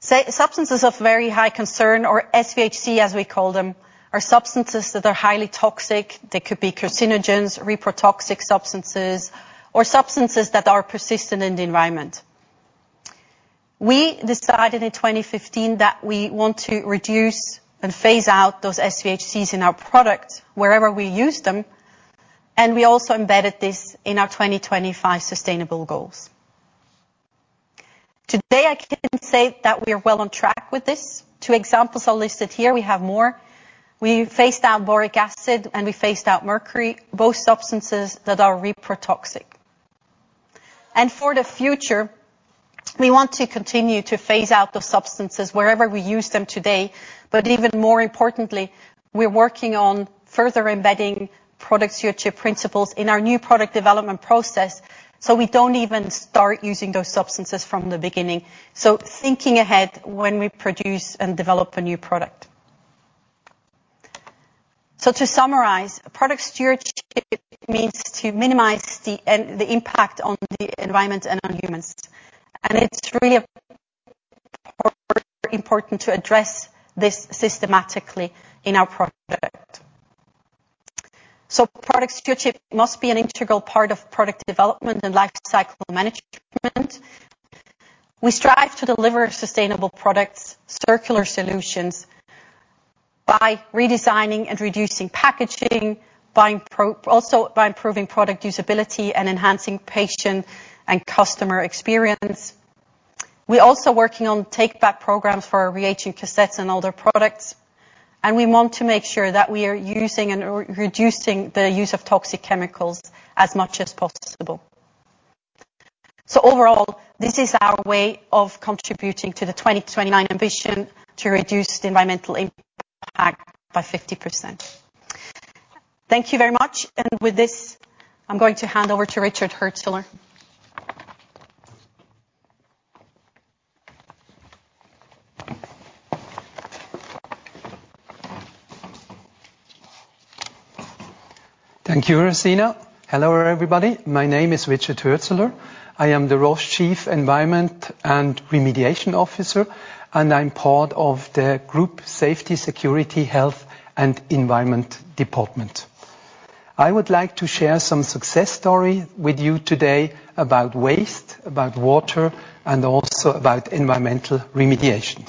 Substances of Very High Concern, or SVHC as we call them, are substances that are highly toxic. They could be carcinogens, reprotoxic substances, or substances that are persistent in the environment. We decided in 2015 that we want to reduce and phase out those SVHCs in our product wherever we use them. We also embedded this in our 2025 sustainable goals. Today, I can say that we are well on track with this. Two examples are listed here. We have more. We phased out boric acid, and we phased out mercury, both substances that are reprotoxic. For the future, we want to continue to phase out the substances wherever we use them today, but even more importantly, we're working on further embedding product stewardship principles in our new product development process, so we don't even start using those substances from the beginning. Thinking ahead when we produce and develop a new product. To summarize, product stewardship means to minimize the impact on the environment and on humans. It's really important to address this systematically in our product. Product stewardship must be an integral part of product development and life cycle management. We strive to deliver sustainable products, circular solutions by redesigning and reducing packaging, also by improving product usability and enhancing patient and customer experience. We're also working on take-back programs for our reagent cassettes and other products. We want to make sure that we are using and re-reducing the use of toxic chemicals as much as possible. Overall, this is our way of contributing to the 2029 ambition to reduce the environmental impact by 50%. Thank you very much. With this, I'm going to hand over to Richard Huerzeler. Thank you, Ursina. Hello, everybody. My name is Richard Huerzeler. I am the Roche Chief Environment and Remediation Officer. I'm part of the Group Safety, Security, Health and Environment department. I would like to share some success story with you today about waste, about water, and also about environmental remediation.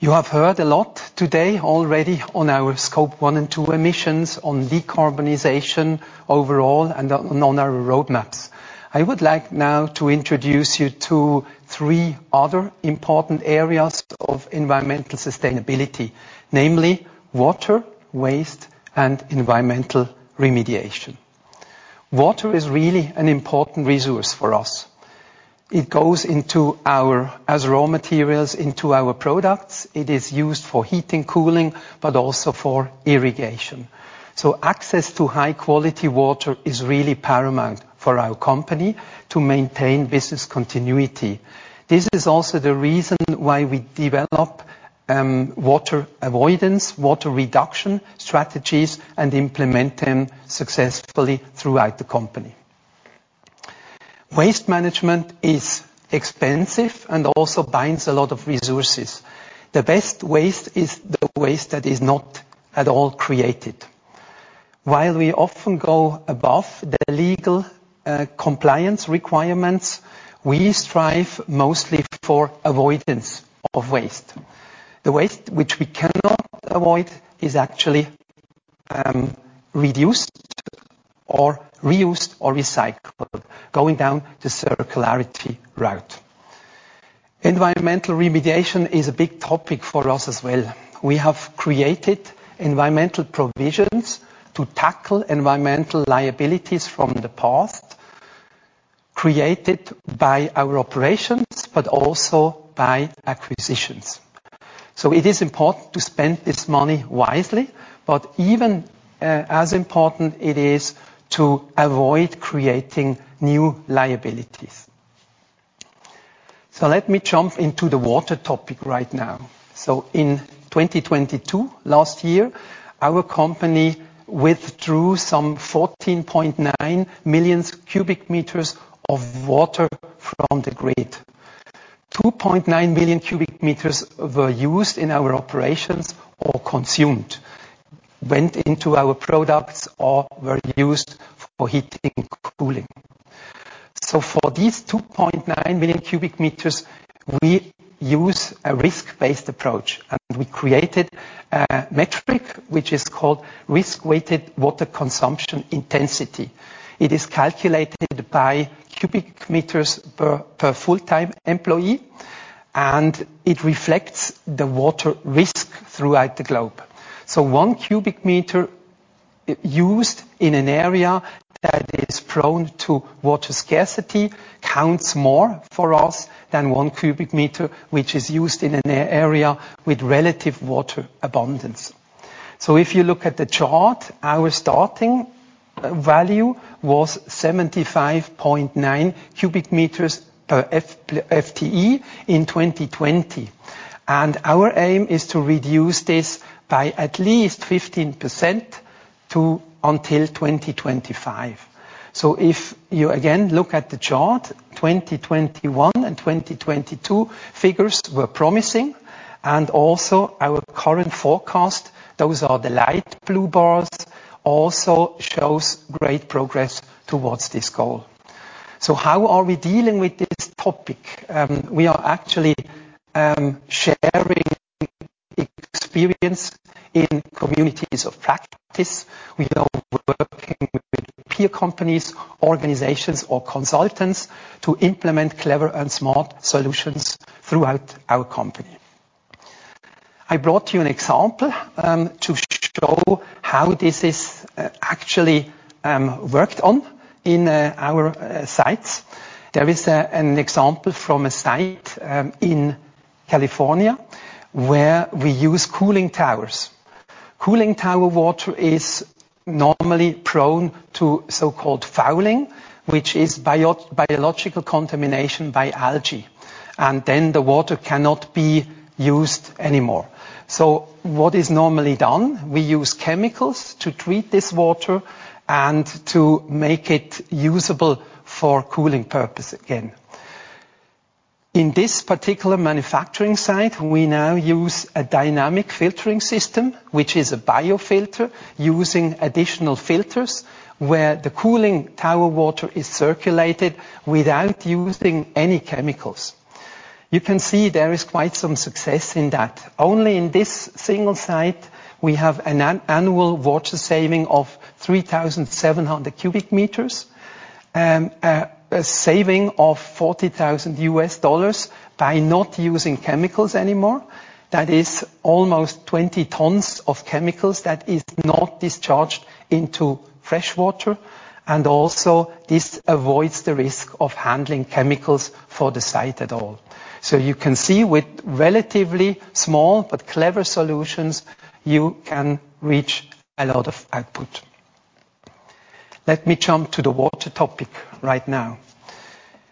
You have heard a lot today already on our Scope 1 and 2 emissions on decarbonization overall and on our roadmaps. I would like now to introduce you to three other important areas of environmental sustainability, namely water, waste, and environmental remediation. Water is really an important resource for us. It goes into our, as raw materials, into our products. It is used for heating, cooling, but also for irrigation. Access to high quality water is really paramount for our company to maintain business continuity. This is also the reason why we develop water avoidance, water reduction strategies and implement them successfully throughout the company. Waste management is expensive and also binds a lot of resources. The best waste is the waste that is not at all created. While we often go above the legal compliance requirements, we strive mostly for avoidance of waste. The waste which we cannot avoid is actually reduced or reused or recycled, going down the circularity route. Environmental remediation is a big topic for us as well. We have created environmental provisions to tackle environmental liabilities from the past, created by our operations, but also by acquisitions. It is important to spend this money wisely, but even as important it is to avoid creating new liabilities. Let me jump into the water topic right now. In 2022, last year, our company withdrew some 14.9 million cubic meters of water from the grid. 2.9 million cubic meters were used in our operations or consumed, went into our products or were used for heating and cooling. For these 2.9 million cubic meters, we use a risk-based approach. We created a metric, which is called risk-weighted water consumption intensity. It is calculated by cubic meters per full-time employee, and it reflects the water risk throughout the globe. One cubic meter used in an area that is prone to water scarcity counts more for us than one cubic meter, which is used in an area with relative water abundance. If you look at the chart, our starting value was 75.9 cubic meters per FTE in 2020. Our aim is to reduce this by at least 15% to until 2025. If you again, look at the chart, 2021 and 2022 figures were promising. Also our current forecast, those are the light blue bars, also shows great progress towards this goal. How are we dealing with this topic? We are actually sharing experience in communities of practice. We are working with peer companies, organizations, or consultants to implement clever and smart solutions throughout our company. I brought you an example to show how this is actually worked on in our sites. There is an example from a site in California, where we use cooling towers. Cooling tower water is normally prone to so-called fouling, which is bio-biological contamination by algae, and then the water cannot be used anymore. What is normally done, we use chemicals to treat this water and to make it usable for cooling purpose again. In this particular manufacturing site, we now use a dynamic filtering system, which is a biofilter using additional filters, where the cooling tower water is circulated without using any chemicals. You can see there is quite some success in that. Only in this single site, we have an annual water saving of 3,700 cubic meters, a saving of $40,000 by not using chemicals anymore. That is almost 20 tons of chemicals that is not discharged into fresh water, and also this avoids the risk of handling chemicals for the site at all. You can see with relatively small but clever solutions, you can reach a lot of output. Let me jump to the water topic right now.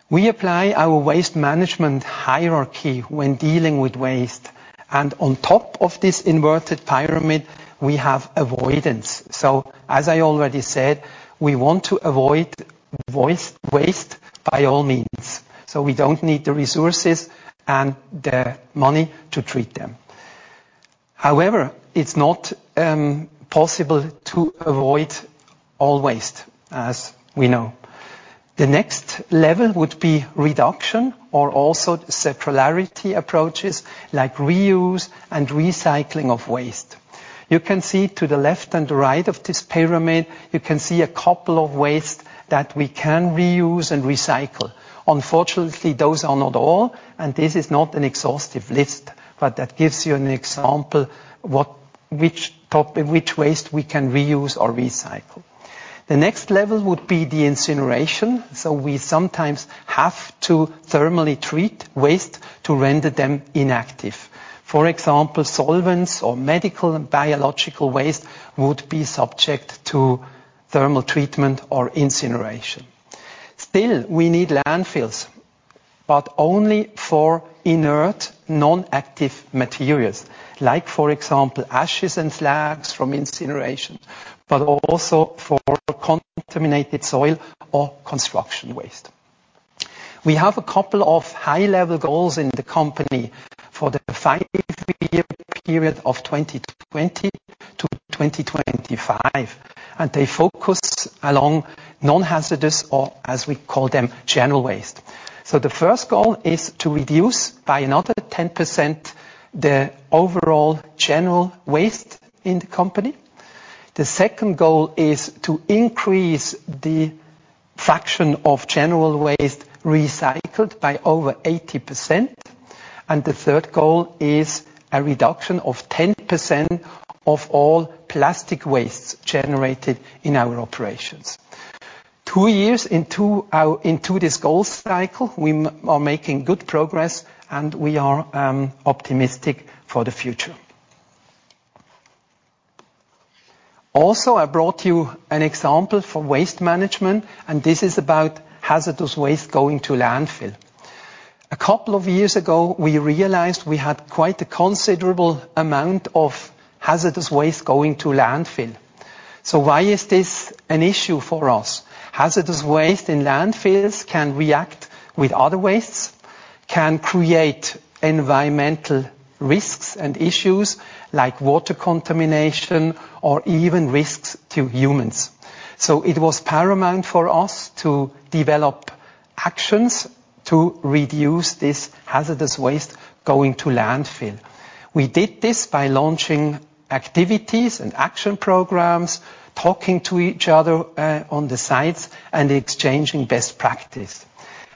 We apply our waste management hierarchy when dealing with waste. On top of this inverted pyramid, we have avoidance. As I already said, we want to avoid waste by all means. We don't need the resources and the money to treat them. However, it's not possible to avoid all waste, as we know. The next level would be reduction or also circularity approaches like reuse and recycling of waste. You can see to the left and right of this pyramid, you can see a couple of waste that we can reuse and recycle. Unfortunately, those are not all, and this is not an exhaustive list, but that gives you an example what which waste we can reuse or recycle. The next level would be the incineration. We sometimes have to thermally treat waste to render them inactive. For example, solvents or medical and biological waste would be subject to thermal treatment or incineration. Still, we need landfills, but only for inert non-active materials, like for example, ashes and slags from incineration, but also for contaminated soil or construction waste. We have a couple of high-level goals in the company for the 5-year period of 2020 to 2025, and they focus along non-hazardous, or as we call them, general waste. The first goal is to reduce by another 10% the overall general waste in the company. The second goal is to increase the fraction of general waste recycled by over 80%. The third goal is a reduction of 10% of all plastic wastes generated in our operations. 2 years into our, into this goal cycle, we are making good progress and we are optimistic for the future. I brought you an example for waste management, this is about hazardous waste going to landfill. A couple of years ago, we realized we had quite a considerable amount of hazardous waste going to landfill. Why is this an issue for us? Hazardous waste in landfills can react with other wastes, can create environmental risks and issues like water contamination or even risks to humans. It was paramount for us to develop actions to reduce this hazardous waste going to landfill. We did this by launching activities and action programs, talking to each other on the sites and exchanging best practice.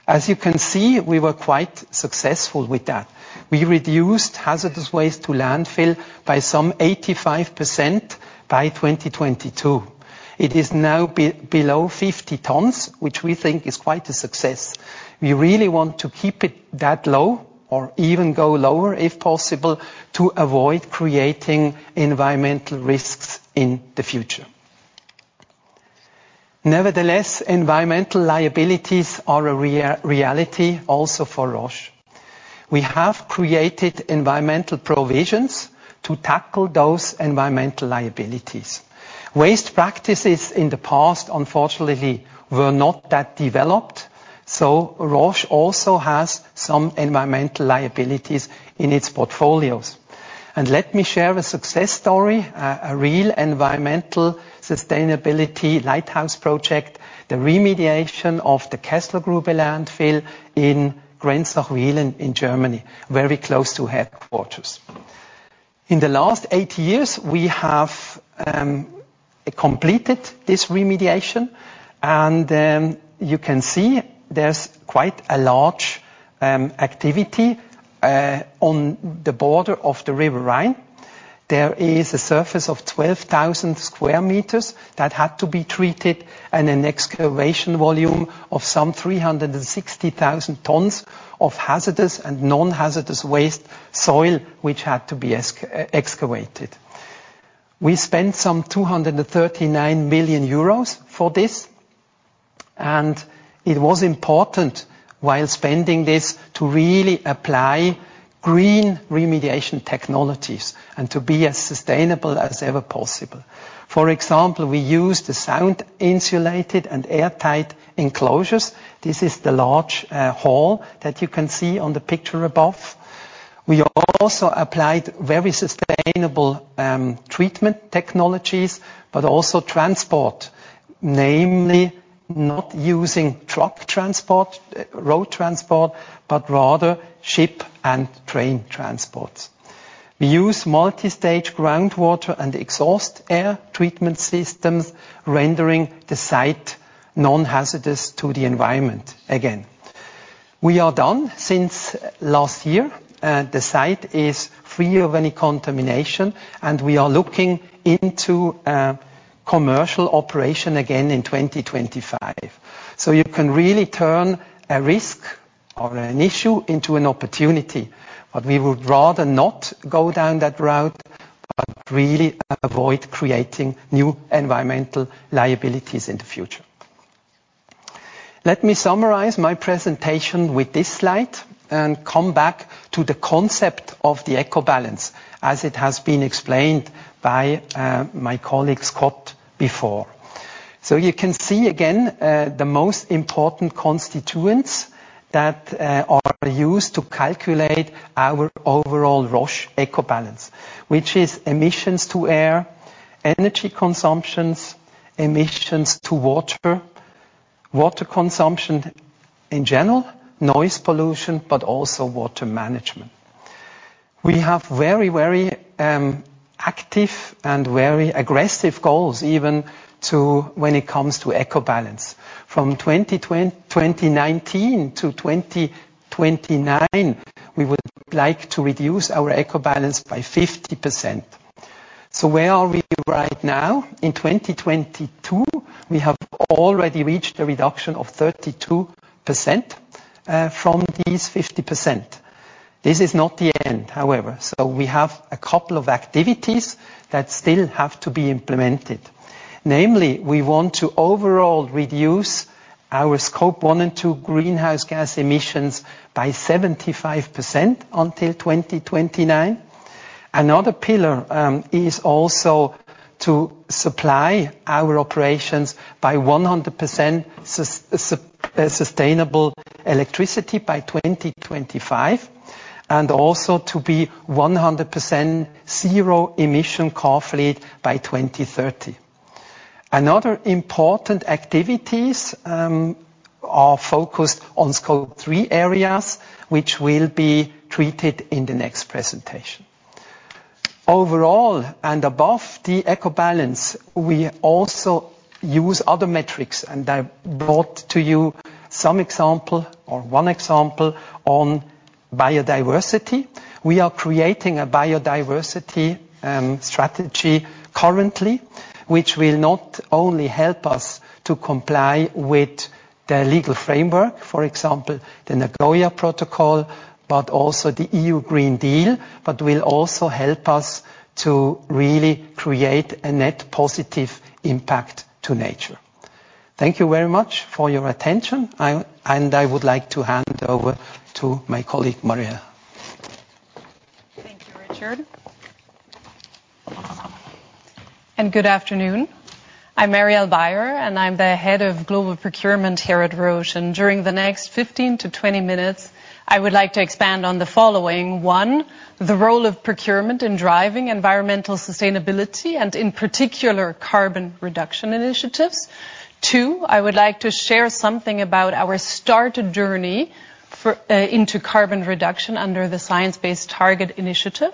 As you can see, we were quite successful with that. We reduced hazardous waste to landfill by some 85% by 2022. It is now below 50 tons, which we think is quite a success. We really want to keep it that low or even go lower, if possible, to avoid creating environmental risks in the future. Environmental liabilities are a reality also for Roche. We have created environmental provisions to tackle those environmental liabilities. Waste practices in the past, unfortunately, were not that developed, Roche also has some environmental liabilities in its portfolios. Let me share a success story, a real environmental sustainability lighthouse project, the remediation of the Kesslergrube landfill in Grenzach-Wyhlen in Germany, very close to headquarters. In the last eight years, we have completed this remediation, and you can see there's quite a large activity on the border of the River Rhine. There is a surface of 12,000 square meters that had to be treated. An excavation volume of some 360,000 tons of hazardous and non-hazardous waste soil, which had to be excavated. We spent some 239 million euros for this. It was important while spending this to really apply green remediation technologies and to be as sustainable as ever possible. For example, we use the sound insulated and airtight enclosures. This is the large hall that you can see on the picture above. We also applied very sustainable treatment technologies. Also transport, namely not using truck transport, road transport, but rather ship and train transports. We use multi-stage groundwater and exhaust air treatment systems, rendering the site non-hazardous to the environment again. We are done since last year. The site is free of any contamination. We are looking into a commercial operation again in 2025. You can really turn a risk or an issue into an opportunity. We would rather not go down that route, but really avoid creating new environmental liabilities in the future. Let me summarize my presentation with this slide and come back to the concept of the Eco-Balance as it has been explained by my colleague Scott before. You can see again, the most important constituents that are used to calculate our overall Roche Eco-Balance, which is emissions to air, energy consumptions, emissions to water consumption in general, noise pollution, but also water management. We have very active and very aggressive goals even when it comes to Eco-Balance. From 2019 to 2029, we would like to reduce our Eco-Balance by 50%. Where are we right now? In 2022, we have already reached a reduction of 32% from these 50%. This is not the end, however. We have a couple of activities that still have to be implemented. Namely, we want to overall reduce our Scope 1 and 2 greenhouse gas emissions by 75% until 2029. Another pillar is also to supply our operations by 100% sustainable electricity by 2025, and also to be 100% zero emission car fleet by 2030. Another important activities are focused on Scope 3 areas which will be treated in the next presentation. Overall, and above the Eco-Balance, we also use other metrics, and I brought to you some example or one example on biodiversity. We are creating a biodiversity strategy currently, which will not only help us to comply with the legal framework, for example, the Nagoya Protocol, but also the EU Green Deal, but will also help us to really create a net positive impact to nature. Thank you very much for your attention. I would like to hand over to my colleague, Marielle. Thank you, Richard. Good afternoon. I'm Marielle Beyer, and I'm the Head of Global Procurement here at Roche. During the next 15-20 minutes, I would like to expand on the following. 1, the role of procurement in driving environmental sustainability, and in particular, carbon reduction initiatives. 2, I would like to share something about our start journey for into carbon reduction under the Science Based Targets initiative.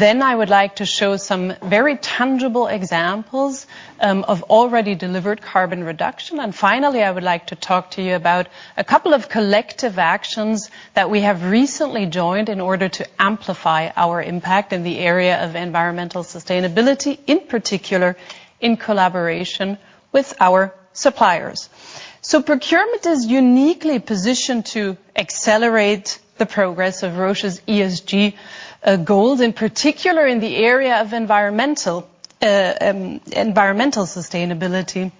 I would like to show some very tangible examples of already delivered carbon reduction. Finally, I would like to talk to you about a couple of collective actions that we have recently joined in order to amplify our impact in the area of environmental sustainability, in particular, in collaboration with our suppliers. Procurement is uniquely positioned to accelerate the progress of Roche's ESG goals, in particular in the area of environmental environmental sustainability.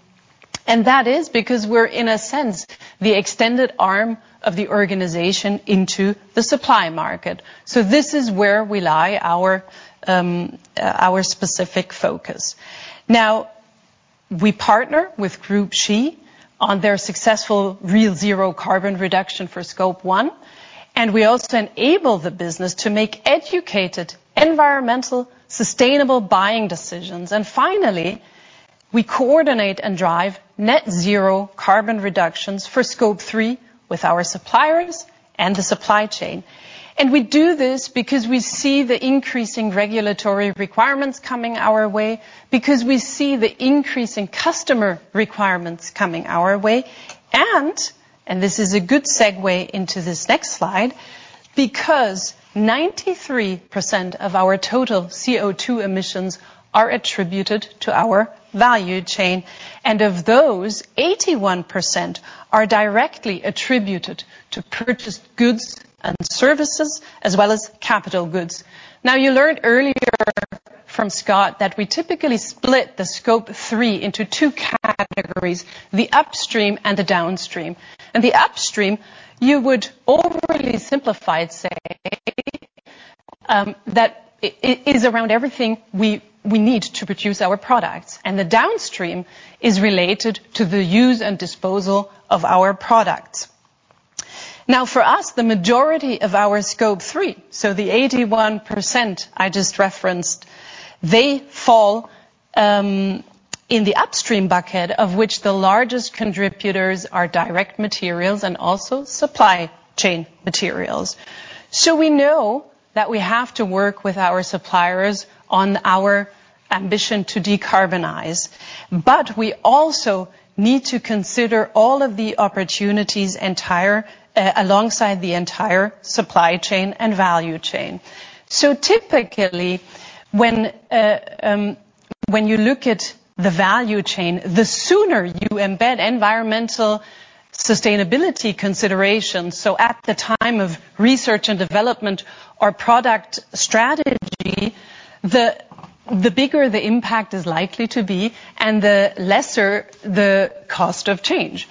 That is because we're in a sense, the extended arm of the organization into the supply market. This is where we lie our specific focus. We partner with Group SSHI on their successful real zero carbon reduction for Scope 1, and we also enable the business to make educated, environmental, sustainable buying decisions. Finally, we coordinate and drive net zero carbon reductions for Scope 3 with our suppliers and the supply chain. We do this because we see the increasing regulatory requirements coming our way, because we see the increase in customer requirements coming our way. This is a good segue into this next slide, because 93% of our total CO2 emissions are attributed to our value chain. Of those, 81% are directly attributed to purchased goods and services, as well as capital goods. Now, you learned earlier from Scott that we typically split the Scope 3 into 2 categories: the upstream and the downstream. The upstream, you would overly simplify it say that it is around everything we need to produce our products, and the downstream is related to the use and disposal of our products. Now, for us, the majority of our Scope 3, so the 81% I just referenced, they fall in the upstream bucket, of which the largest contributors are direct materials and also supply chain materials. We know that we have to work with our suppliers on our ambition to decarbonize, but we also need to consider all of the opportunities entire alongside the entire supply chain and value chain. Typically when you look at the value chain, the sooner you embed environmental sustainability considerations, so at the time of research and development or product strategy, the bigger the impact is likely to be and the lesser the cost of change.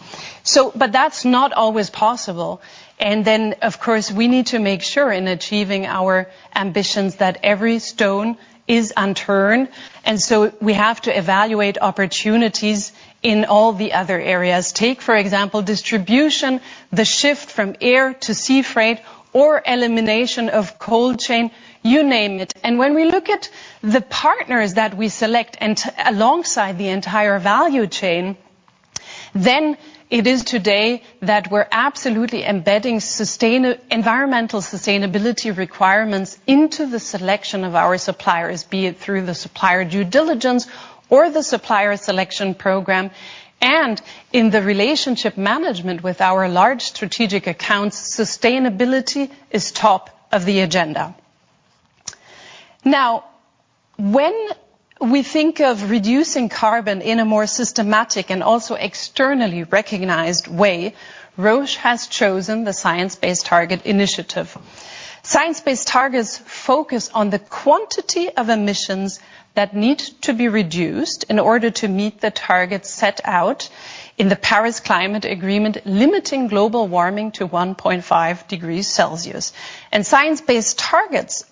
But that's not always possible. Then, of course, we need to make sure in achieving our ambitions that every stone is unturned, and so we have to evaluate opportunities in all the other areas. Take for example, distribution, the shift from air to sea freight or elimination of cold chain, you name it. When we look at the partners that we select and alongside the entire value chain, then it is today that we're absolutely embedding environmental sustainability requirements into the selection of our suppliers, be it through the supplier due diligence or the supplier selection program. In the relationship management with our large strategic accounts, sustainability is top of the agenda. Now, when we think of reducing carbon in a more systematic and also externally recognized way, Roche has chosen the Science Based Targets initiative. Science Based Targets focus on the quantity of emissions that need to be reduced in order to meet the targets set out in the Paris Agreement, limiting global warming to 1.5 degrees Celsius. Science Based Targets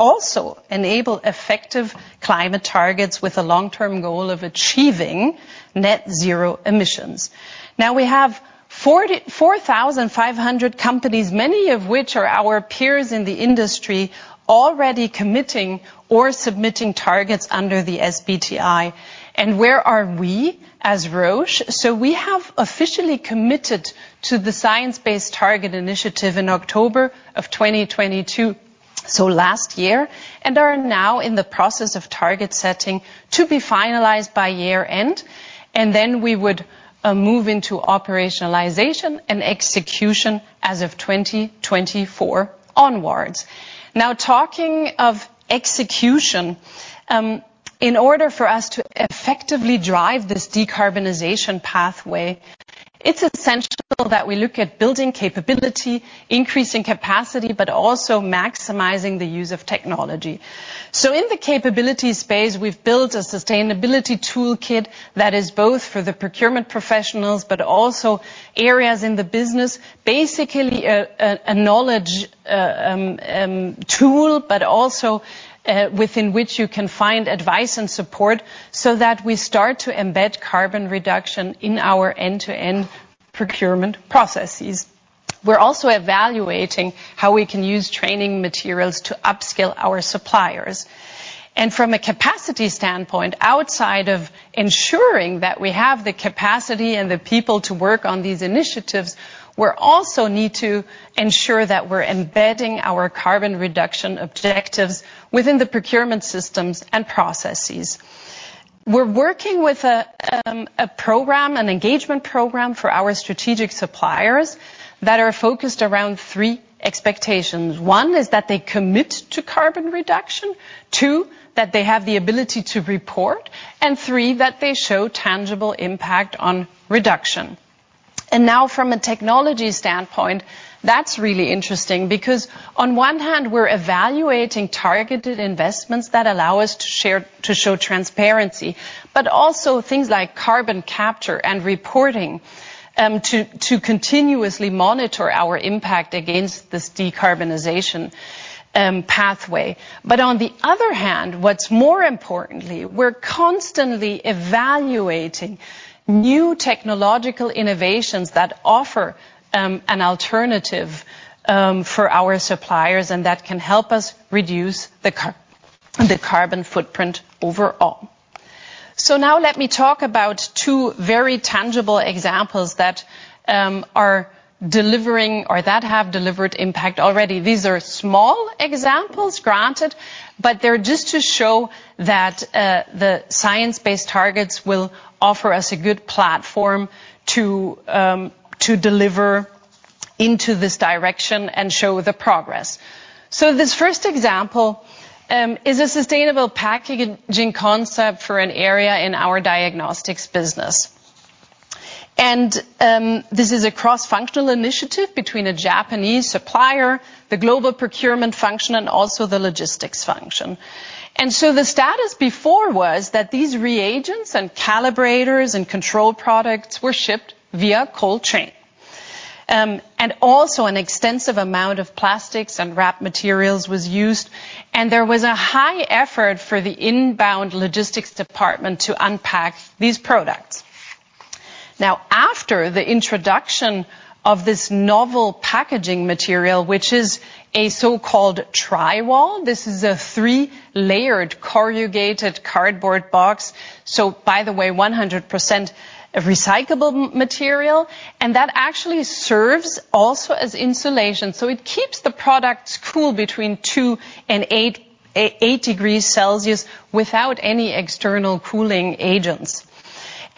also enable effective climate targets with a long-term goal of achieving net zero emissions. We have 44,500 companies, many of which are our peers in the industry, already committing or submitting targets under the SBTi. Where are we as Roche? We have officially committed to the Science Based Targets initiative in October of 2022, so last year, and are now in the process of target setting to be finalized by year-end. We would move into operationalization and execution as of 2024 onwards. Talking of execution, in order for us to effectively drive this decarbonization pathway, it's essential that we look at building capability, increasing capacity, but also maximizing the use of technology. In the capability space, we've built a sustainability toolkit that is both for the procurement professionals, but also areas in the business. Basically a knowledge tool, but also within which you can find advice and support, so that we start to embed carbon reduction in our end-to-end procurement processes. We're also evaluating how we can use training materials to upskill our suppliers. From a capacity standpoint, outside of ensuring that we have the capacity and the people to work on these initiatives, we're also need to ensure that we're embedding our carbon reduction objectives within the procurement systems and processes. We're working with a program, an engagement program for our strategic suppliers that are focused around three expectations. One is that they commit to carbon reduction. Two, that they have the ability to report. Three, that they show tangible impact on reduction. Now from a technology standpoint, that's really interesting because on one hand, we're evaluating targeted investments that allow us to show transparency, but also things like carbon capture and reporting, to continuously monitor our impact against this decarbonization pathway. On the other hand, what's more importantly, we're constantly evaluating new technological innovations that offer an alternative for our suppliers, and that can help us reduce the carbon footprint overall. Now let me talk about 2 very tangible examples that are delivering or that have delivered impact already. These are small examples granted, but they're just to show that the science-based targets will offer us a good platform to deliver into this direction and show the progress. This first example is a sustainable packaging concept for an area in our Diagnostics business. This is a cross-functional initiative between a Japanese supplier, the global procurement function, and also the logistics function. The status before was that these reagents and calibrators and control products were shipped via cold chain. An extensive amount of plastics and wrap materials was used, and there was a high effort for the inbound logistics department to unpack these products. Now, after the introduction of this novel packaging material, which is a so-called Tri-Wall, this is a 3-layered corrugated cardboard box. By the way, 100% recyclable material, and that actually serves also as insulation. It keeps the products cool between 2 and 8 degrees Celsius without any external cooling agents.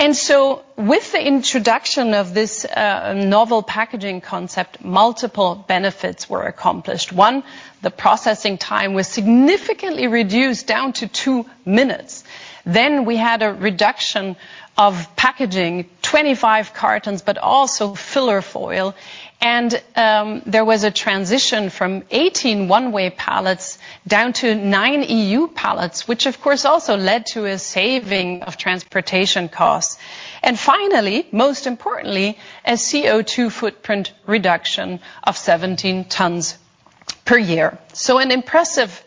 With the introduction of this novel packaging concept, multiple benefits were accomplished. One, the processing time was significantly reduced down to 2 minutes. We had a reduction of packaging, 25 cartons, but also filler foil. There was a transition from 18 one-way pallets down to 9 EU pallets, which of course also led to a saving of transportation costs. Finally, most importantly, a CO2 footprint reduction of 17 tons per year. An impressive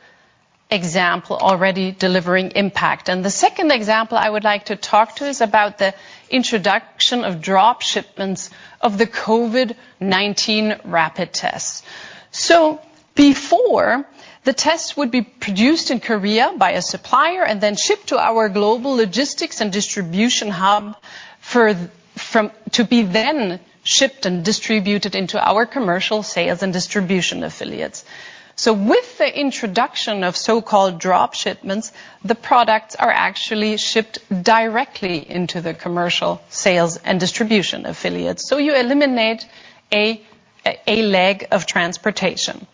example already delivering impact. The second example I would like to talk to is about the introduction of drop shipments of the COVID-19 rapid tests. Before, the tests would be produced in Korea by a supplier and then shipped to our global logistics and distribution hub to be then shipped and distributed into our commercial sales and distribution affiliates. With the introduction of so-called drop shipments, the products are actually shipped directly into the commercial sales and distribution affiliates. You eliminate a leg of transportation.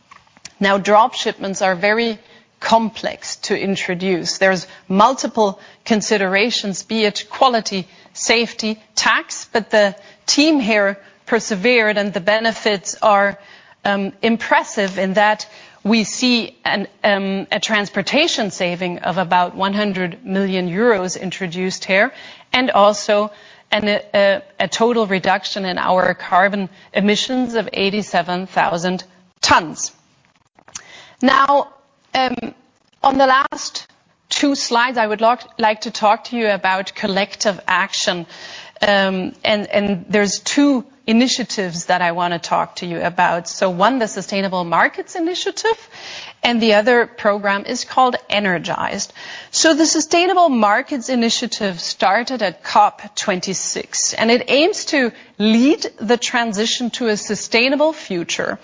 Drop shipments are very complex to introduce. There's multiple considerations, be it quality, safety, tax, the team here persevered and the benefits are impressive in that we see a transportation saving of about 100 million euros introduced here, and also a total reduction in our carbon emissions of 87,000 tons. On the last two slides, I would like to talk to you about collective action. There's two initiatives that I wanna talk to you about. One, the Sustainable Markets Initiative and the other program is called Energized. The Sustainable Markets Initiative started at COP26, it aims to lead the transition to a sustainable future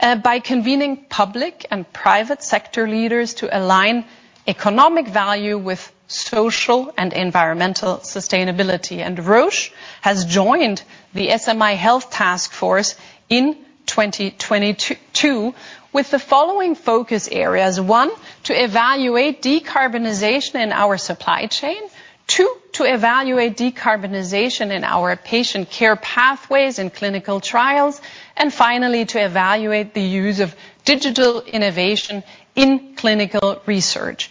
by convening public and private sector leaders to align economic value with social and environmental sustainability. Roche has joined the SMI Health Task Force in 2022 with the following focus areas. One, to evaluate decarbonization in our supply chain. Two, to evaluate decarbonization in our patient care pathways and clinical trials. Finally, to evaluate the use of digital innovation in clinical research.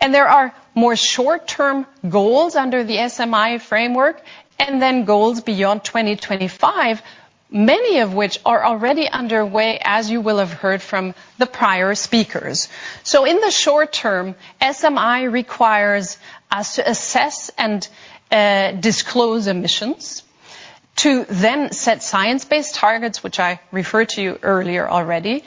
There are more short-term goals under the SMI framework and then goals beyond 2025, many of which are already underway, as you will have heard from the prior speakers. In the short term, SMI requires us to assess and disclose emissions, to then set science-based targets, which I referred to earlier already,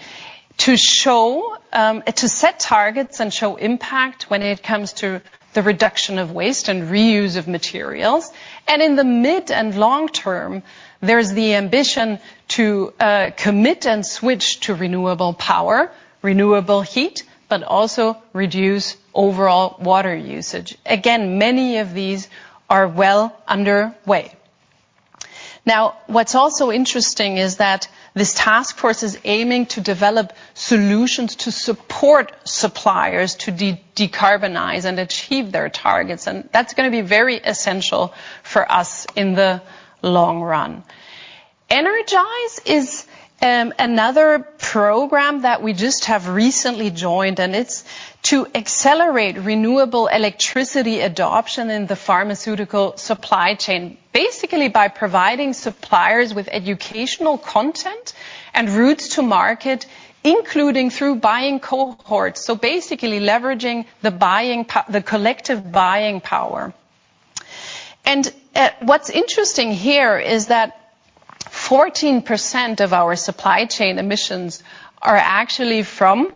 to show, to set targets and show impact when it comes to the reduction of waste and reuse of materials. In the mid and long term, there's the ambition to commit and switch to renewable power, renewable heat, but also reduce overall water usage. Again, many of these are well underway. What's also interesting is that this task force is aiming to develop solutions to support suppliers to decarbonize and achieve their targets, and that's gonna be very essential for us in the long run. Energize is another program that we just have recently joined, and it's to accelerate renewable electricity adoption in the pharmaceutical supply chain, basically by providing suppliers with educational content and routes to market, including through buying cohorts. Basically leveraging the collective buying power. What's interesting here is that 14% of our supply chain emissions are actually from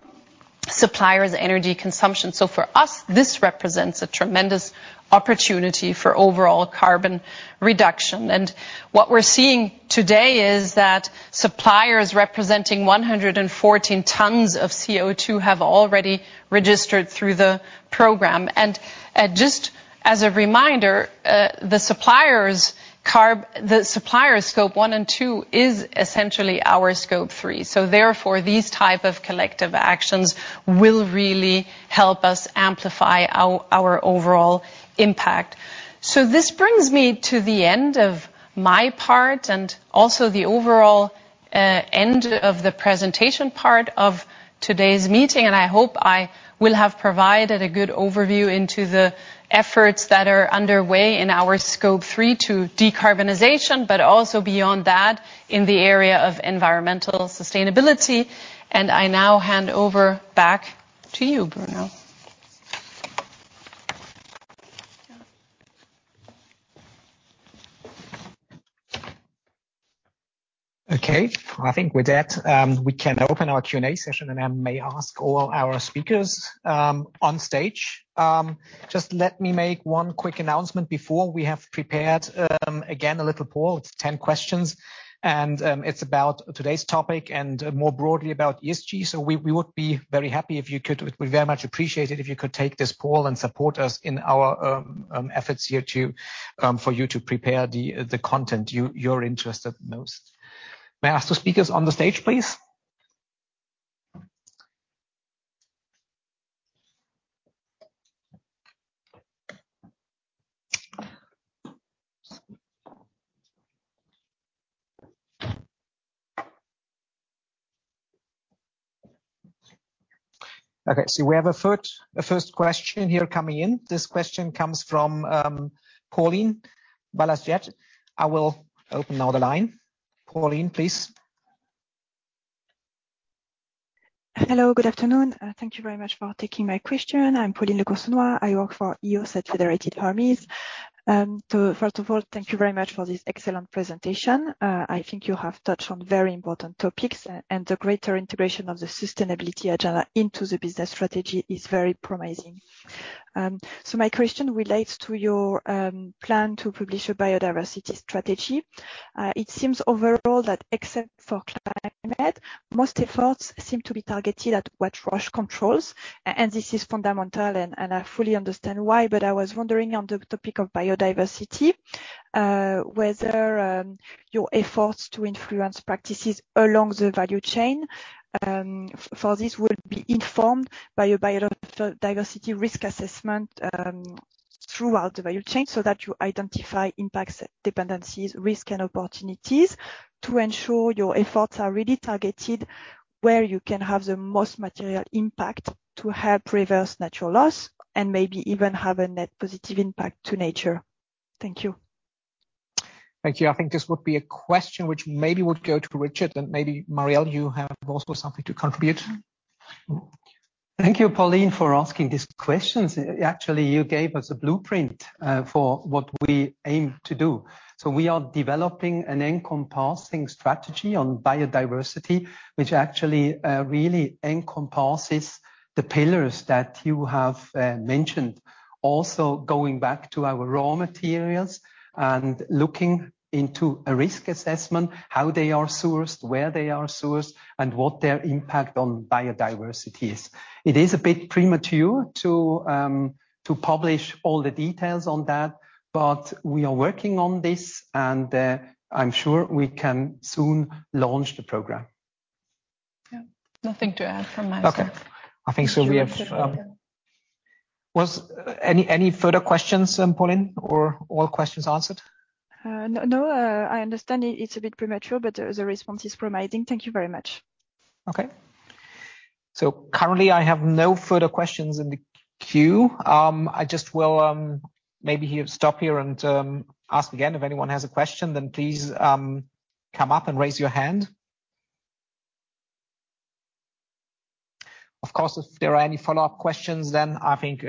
suppliers' energy consumption. For us, this represents a tremendous opportunity for overall carbon reduction. What we're seeing today is that suppliers representing 114 tons of CO2 have already registered through the program. Just as a reminder, the suppliers' Scope 1 and 2 is essentially our Scope 3. Therefore, these type of collective actions will really help us amplify our overall impact. This brings me to the end of my part and also the overall end of the presentation part of today's meeting. I hope I will have provided a good overview into the efforts that are underway in our Scope 3 to decarbonization, but also beyond that in the area of environmental sustainability. I now hand over back to you, Bruno. Okay. I think with that, we can open our Q&A session. I may ask all our speakers on stage. Just let me make one quick announcement before. We have prepared again, a little poll. It's 10 questions, and it's about today's topic and more broadly about ESG. We would be very happy if you could... We'd very much appreciate it if you could take this poll and support us in our efforts here to for you to prepare the content you're interested most. May I ask the speakers on the stage, please? Okay, we have a first question here coming in. This question comes from Pauline Balasiet. I will open now the line. Pauline, please. Hello, good afternoon. Thank you very much for taking my question. I'm Pauline Lecoursonnois. I work for EOS at Federated Hermes. First of all, thank you very much for this excellent presentation. I think you have touched on very important topics, and the greater integration of the sustainability agenda into the business strategy is very promising. My question relates to your plan to publish a biodiversity strategy. It seems overall that except for climate, most efforts seem to be targeted at what Roche controls, and this is fundamental and I fully understand why, but I was wondering on the topic of biodiversity, whether your efforts to influence practices along the value chain for this will be informed by your biodiversity risk assessment? Throughout the value chain so that you identify impacts, dependencies, risk and opportunities to ensure your efforts are really targeted where you can have the most material impact to help reverse natural loss and maybe even have a net positive impact to nature. Thank you. Thank you. I think this would be a question which maybe would go to Richard, and maybe Marielle, you have also something to contribute. Thank you, Pauline, for asking these questions. Actually, you gave us a blueprint for what we aim to do. We are developing an encompassing strategy on biodiversity, which actually really encompasses the pillars that you have mentioned. Also going back to our raw materials and looking into a risk assessment, how they are sourced, where they are sourced, and what their impact on biodiversity is. It is a bit premature to publish all the details on that, but we are working on this and I'm sure we can soon launch the program. Yeah. Nothing to add from my side. I think so we have Any, any further questions, Pauline, or all questions answered? No. I understand it's a bit premature. The response is promising. Thank you very much. Okay. Currently, I have no further questions in the queue. I just will, maybe here, stop here and ask again, if anyone has a question, then please come up and raise your hand. Of course, if there are any follow-up questions, I think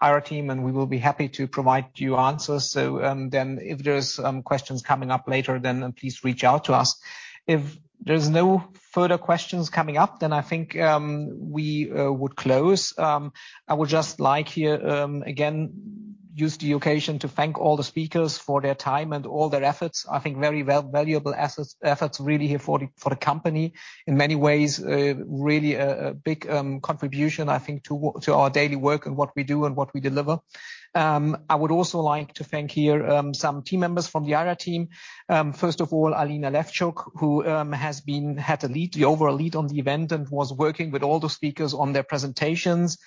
our team and we will be happy to provide you answers. Then if there's questions coming up later, then please reach out to us. If there's no further questions coming up, I think we would close. I would just like here again, use the occasion to thank all the speakers for their time and all their efforts. I think very valuable efforts really here for the company. In many ways, really a big contribution, I think, to our daily work and what we do and what we deliver. I would also like to thank here some team members from the IRA team. First of all, Alina Levchuk, who had the overall lead on the event and was working with all the speakers on their presentations.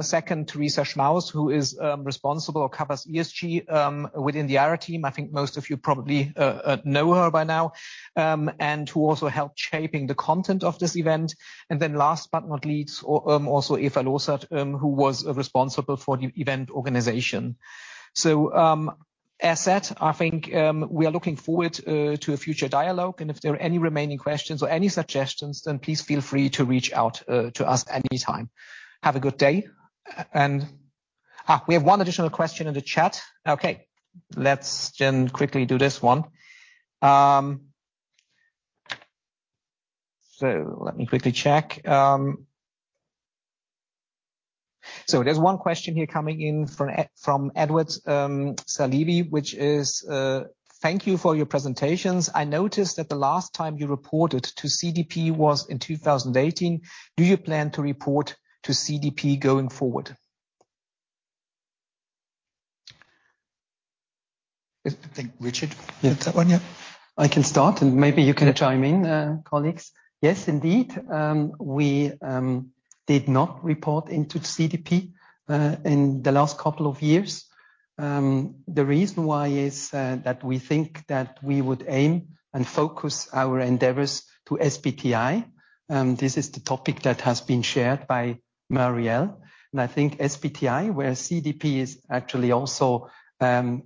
Second, Teresa Schmaus, who is responsible or covers ESG within the IRA team. I think most of you probably know her by now, and who also helped shaping the content of this event. Last but not least, also Eva Losert, who was responsible for the event organization. As said, I think we are looking forward to a future dialogue, and if there are any remaining questions or any suggestions, then please feel free to reach out to us anytime. Have a good day. We have one additional question in the chat. Let's then quickly do this one. Let me quickly check. There's one question here coming in from Edward Salibi, which is: Thank you for your presentations. I noticed that the last time you reported to CDP was in 2018. Do you plan to report to CDP going forward? I think Richard can take that one. I can start, maybe you can chime in, colleagues. Yes, indeed, we did not report into CDP in the last couple of years. The reason why is that we think that we would aim and focus our endeavors to SBTi. This is the topic that has been shared by Marielle. I think SBTi, where CDP is actually also a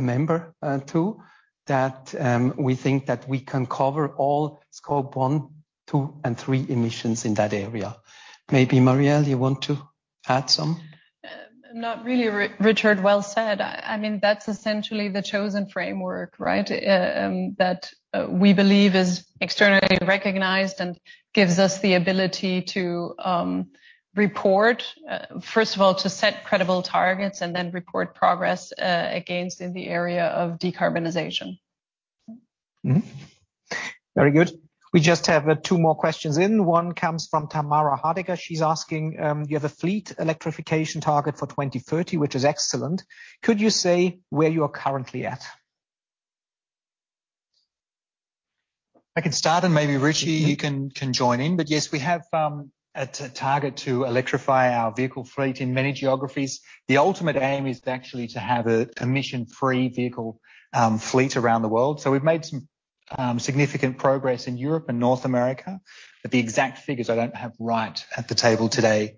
member too, that we think that we can cover all Scope 1, 2, and 3 emissions in that area. Maybe Marielle, you want to add some? Not really, Richard. Well said. I mean, that's essentially the chosen framework, right? That we believe is externally recognized and gives us the ability to report, first of all, to set credible targets and then report progress against in the area of decarbonization. Very good. We just have 2 more questions in. One comes from Tamara Hardegger. She's asking: You have a fleet electrification target for 2030, which is excellent. Could you say where you're currently at? I can start, and maybe Richie, you can join in. Yes, we have a target to electrify our vehicle fleet in many geographies. The ultimate aim is actually to have a emission-free vehicle fleet around the world. We've made some significant progress in Europe and North America, but the exact figures I don't have right at the table today.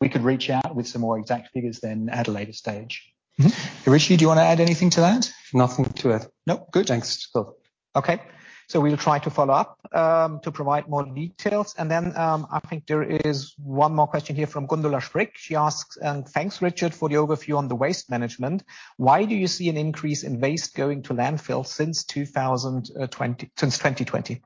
We could reach out with some more exact figures then at a later stage. Mm-hmm. Richie, do you wanna add anything to that? Nothing to add. Nope. Good. Thanks. Cool. We'll try to follow up to provide more details. I think there is one more question here from Gundula Schrick. She asks, and thanks, Richard, for the overview on the waste management. Why do you see an increase in waste going to landfill since 2020?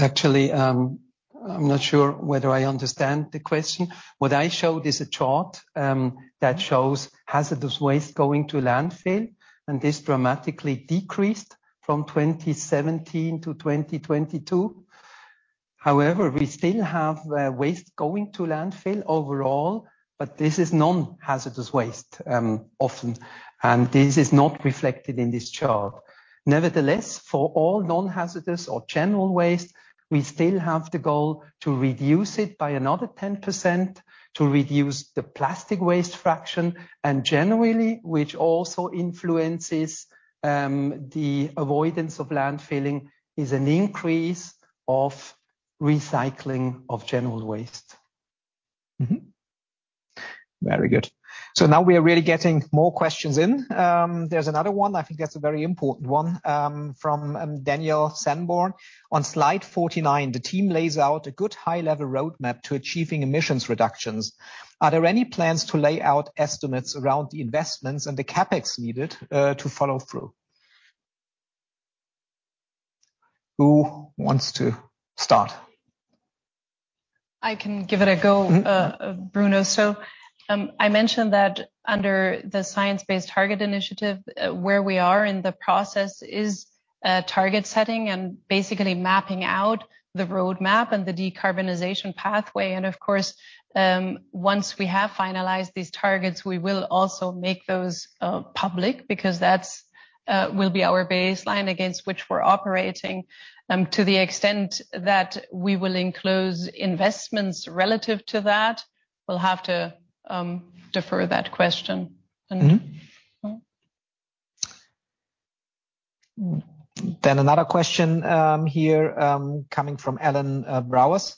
Actually, I'm not sure whether I understand the question. What I showed is a chart that shows hazardous waste going to landfill, and this dramatically decreased from 2017 to 2022. However, we still have waste going to landfill overall, but this is non-hazardous waste often, and this is not reflected in this chart. Nevertheless, for all non-hazardous or general waste, we still have the goal to reduce it by another 10% to reduce the plastic waste fraction. Generally, which also influences the avoidance of landfilling, is an increase of recycling of general waste. Very good. Now we are really getting more questions in. There's another one, I think that's a very important one, from Daniel Sanborn. On slide 49, the team lays out a good high-level roadmap to achieving emissions reductions. Are there any plans to lay out estimates around the investments and the CapEx needed to follow through? Who wants to start? I can give it a go, Bruno. I mentioned that under the Science Based Targets initiative, where we are in the process is target setting and basically mapping out the roadmap and the decarbonization pathway. Once we have finalized these targets, we will also make those public because that's will be our baseline against which we're operating. To the extent that we will enclose investments relative to that, we'll have to defer that question. Mm-hmm. Another question, here, coming from Alan Browers.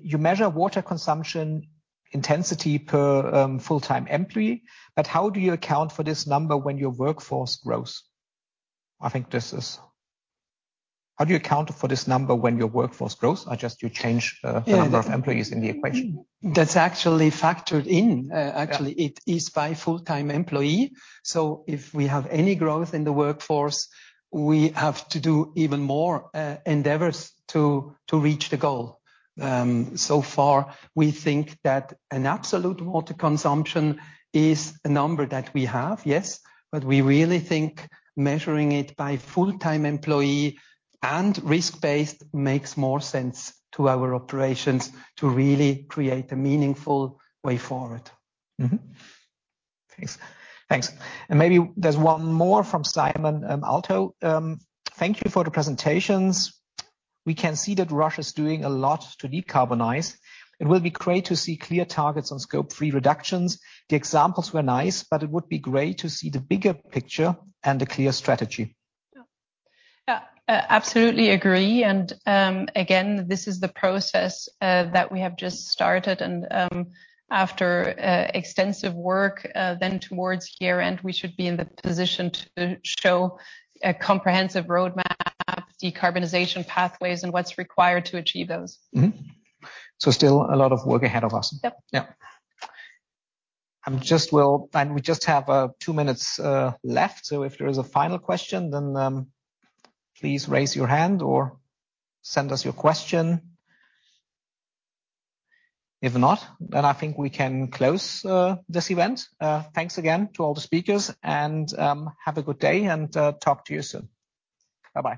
You measure water consumption intensity per full-time employee, how do you account for this number when your workforce grows? How do you account for this number when your workforce grows? Yeah. -number of employees in the equation. That's actually factored in. Yeah. Actually, it is by full-time employee, if we have any growth in the workforce, we have to do even more endeavors to reach the goal. So far, we think that an absolute water consumption is a number that we have, yes. We really think measuring it by full-time employee and risk-based makes more sense to our operations to really create a meaningful way forward. Mm-hmm. Thanks. Thanks. Maybe there's one more from Simon Alto. Thank you for the presentations. We can see that Roche is doing a lot to decarbonize. It will be great to see clear targets on Scope 3 reductions. The examples were nice, but it would be great to see the bigger picture and a clear strategy. Yeah. absolutely agree, and again, this is the process that we have just started. After extensive work towards year-end, we should be in the position to show a comprehensive roadmap, decarbonization pathways and what's required to achieve those. Mm-hmm. Still a lot of work ahead of us. Yep. Yeah. I'm just... We just have two minutes left, so if there is a final question, then, please raise your hand or send us your question. If not, then I think we can close this event. Thanks again to all the speakers, and have a good day and talk to you soon. Bye-bye.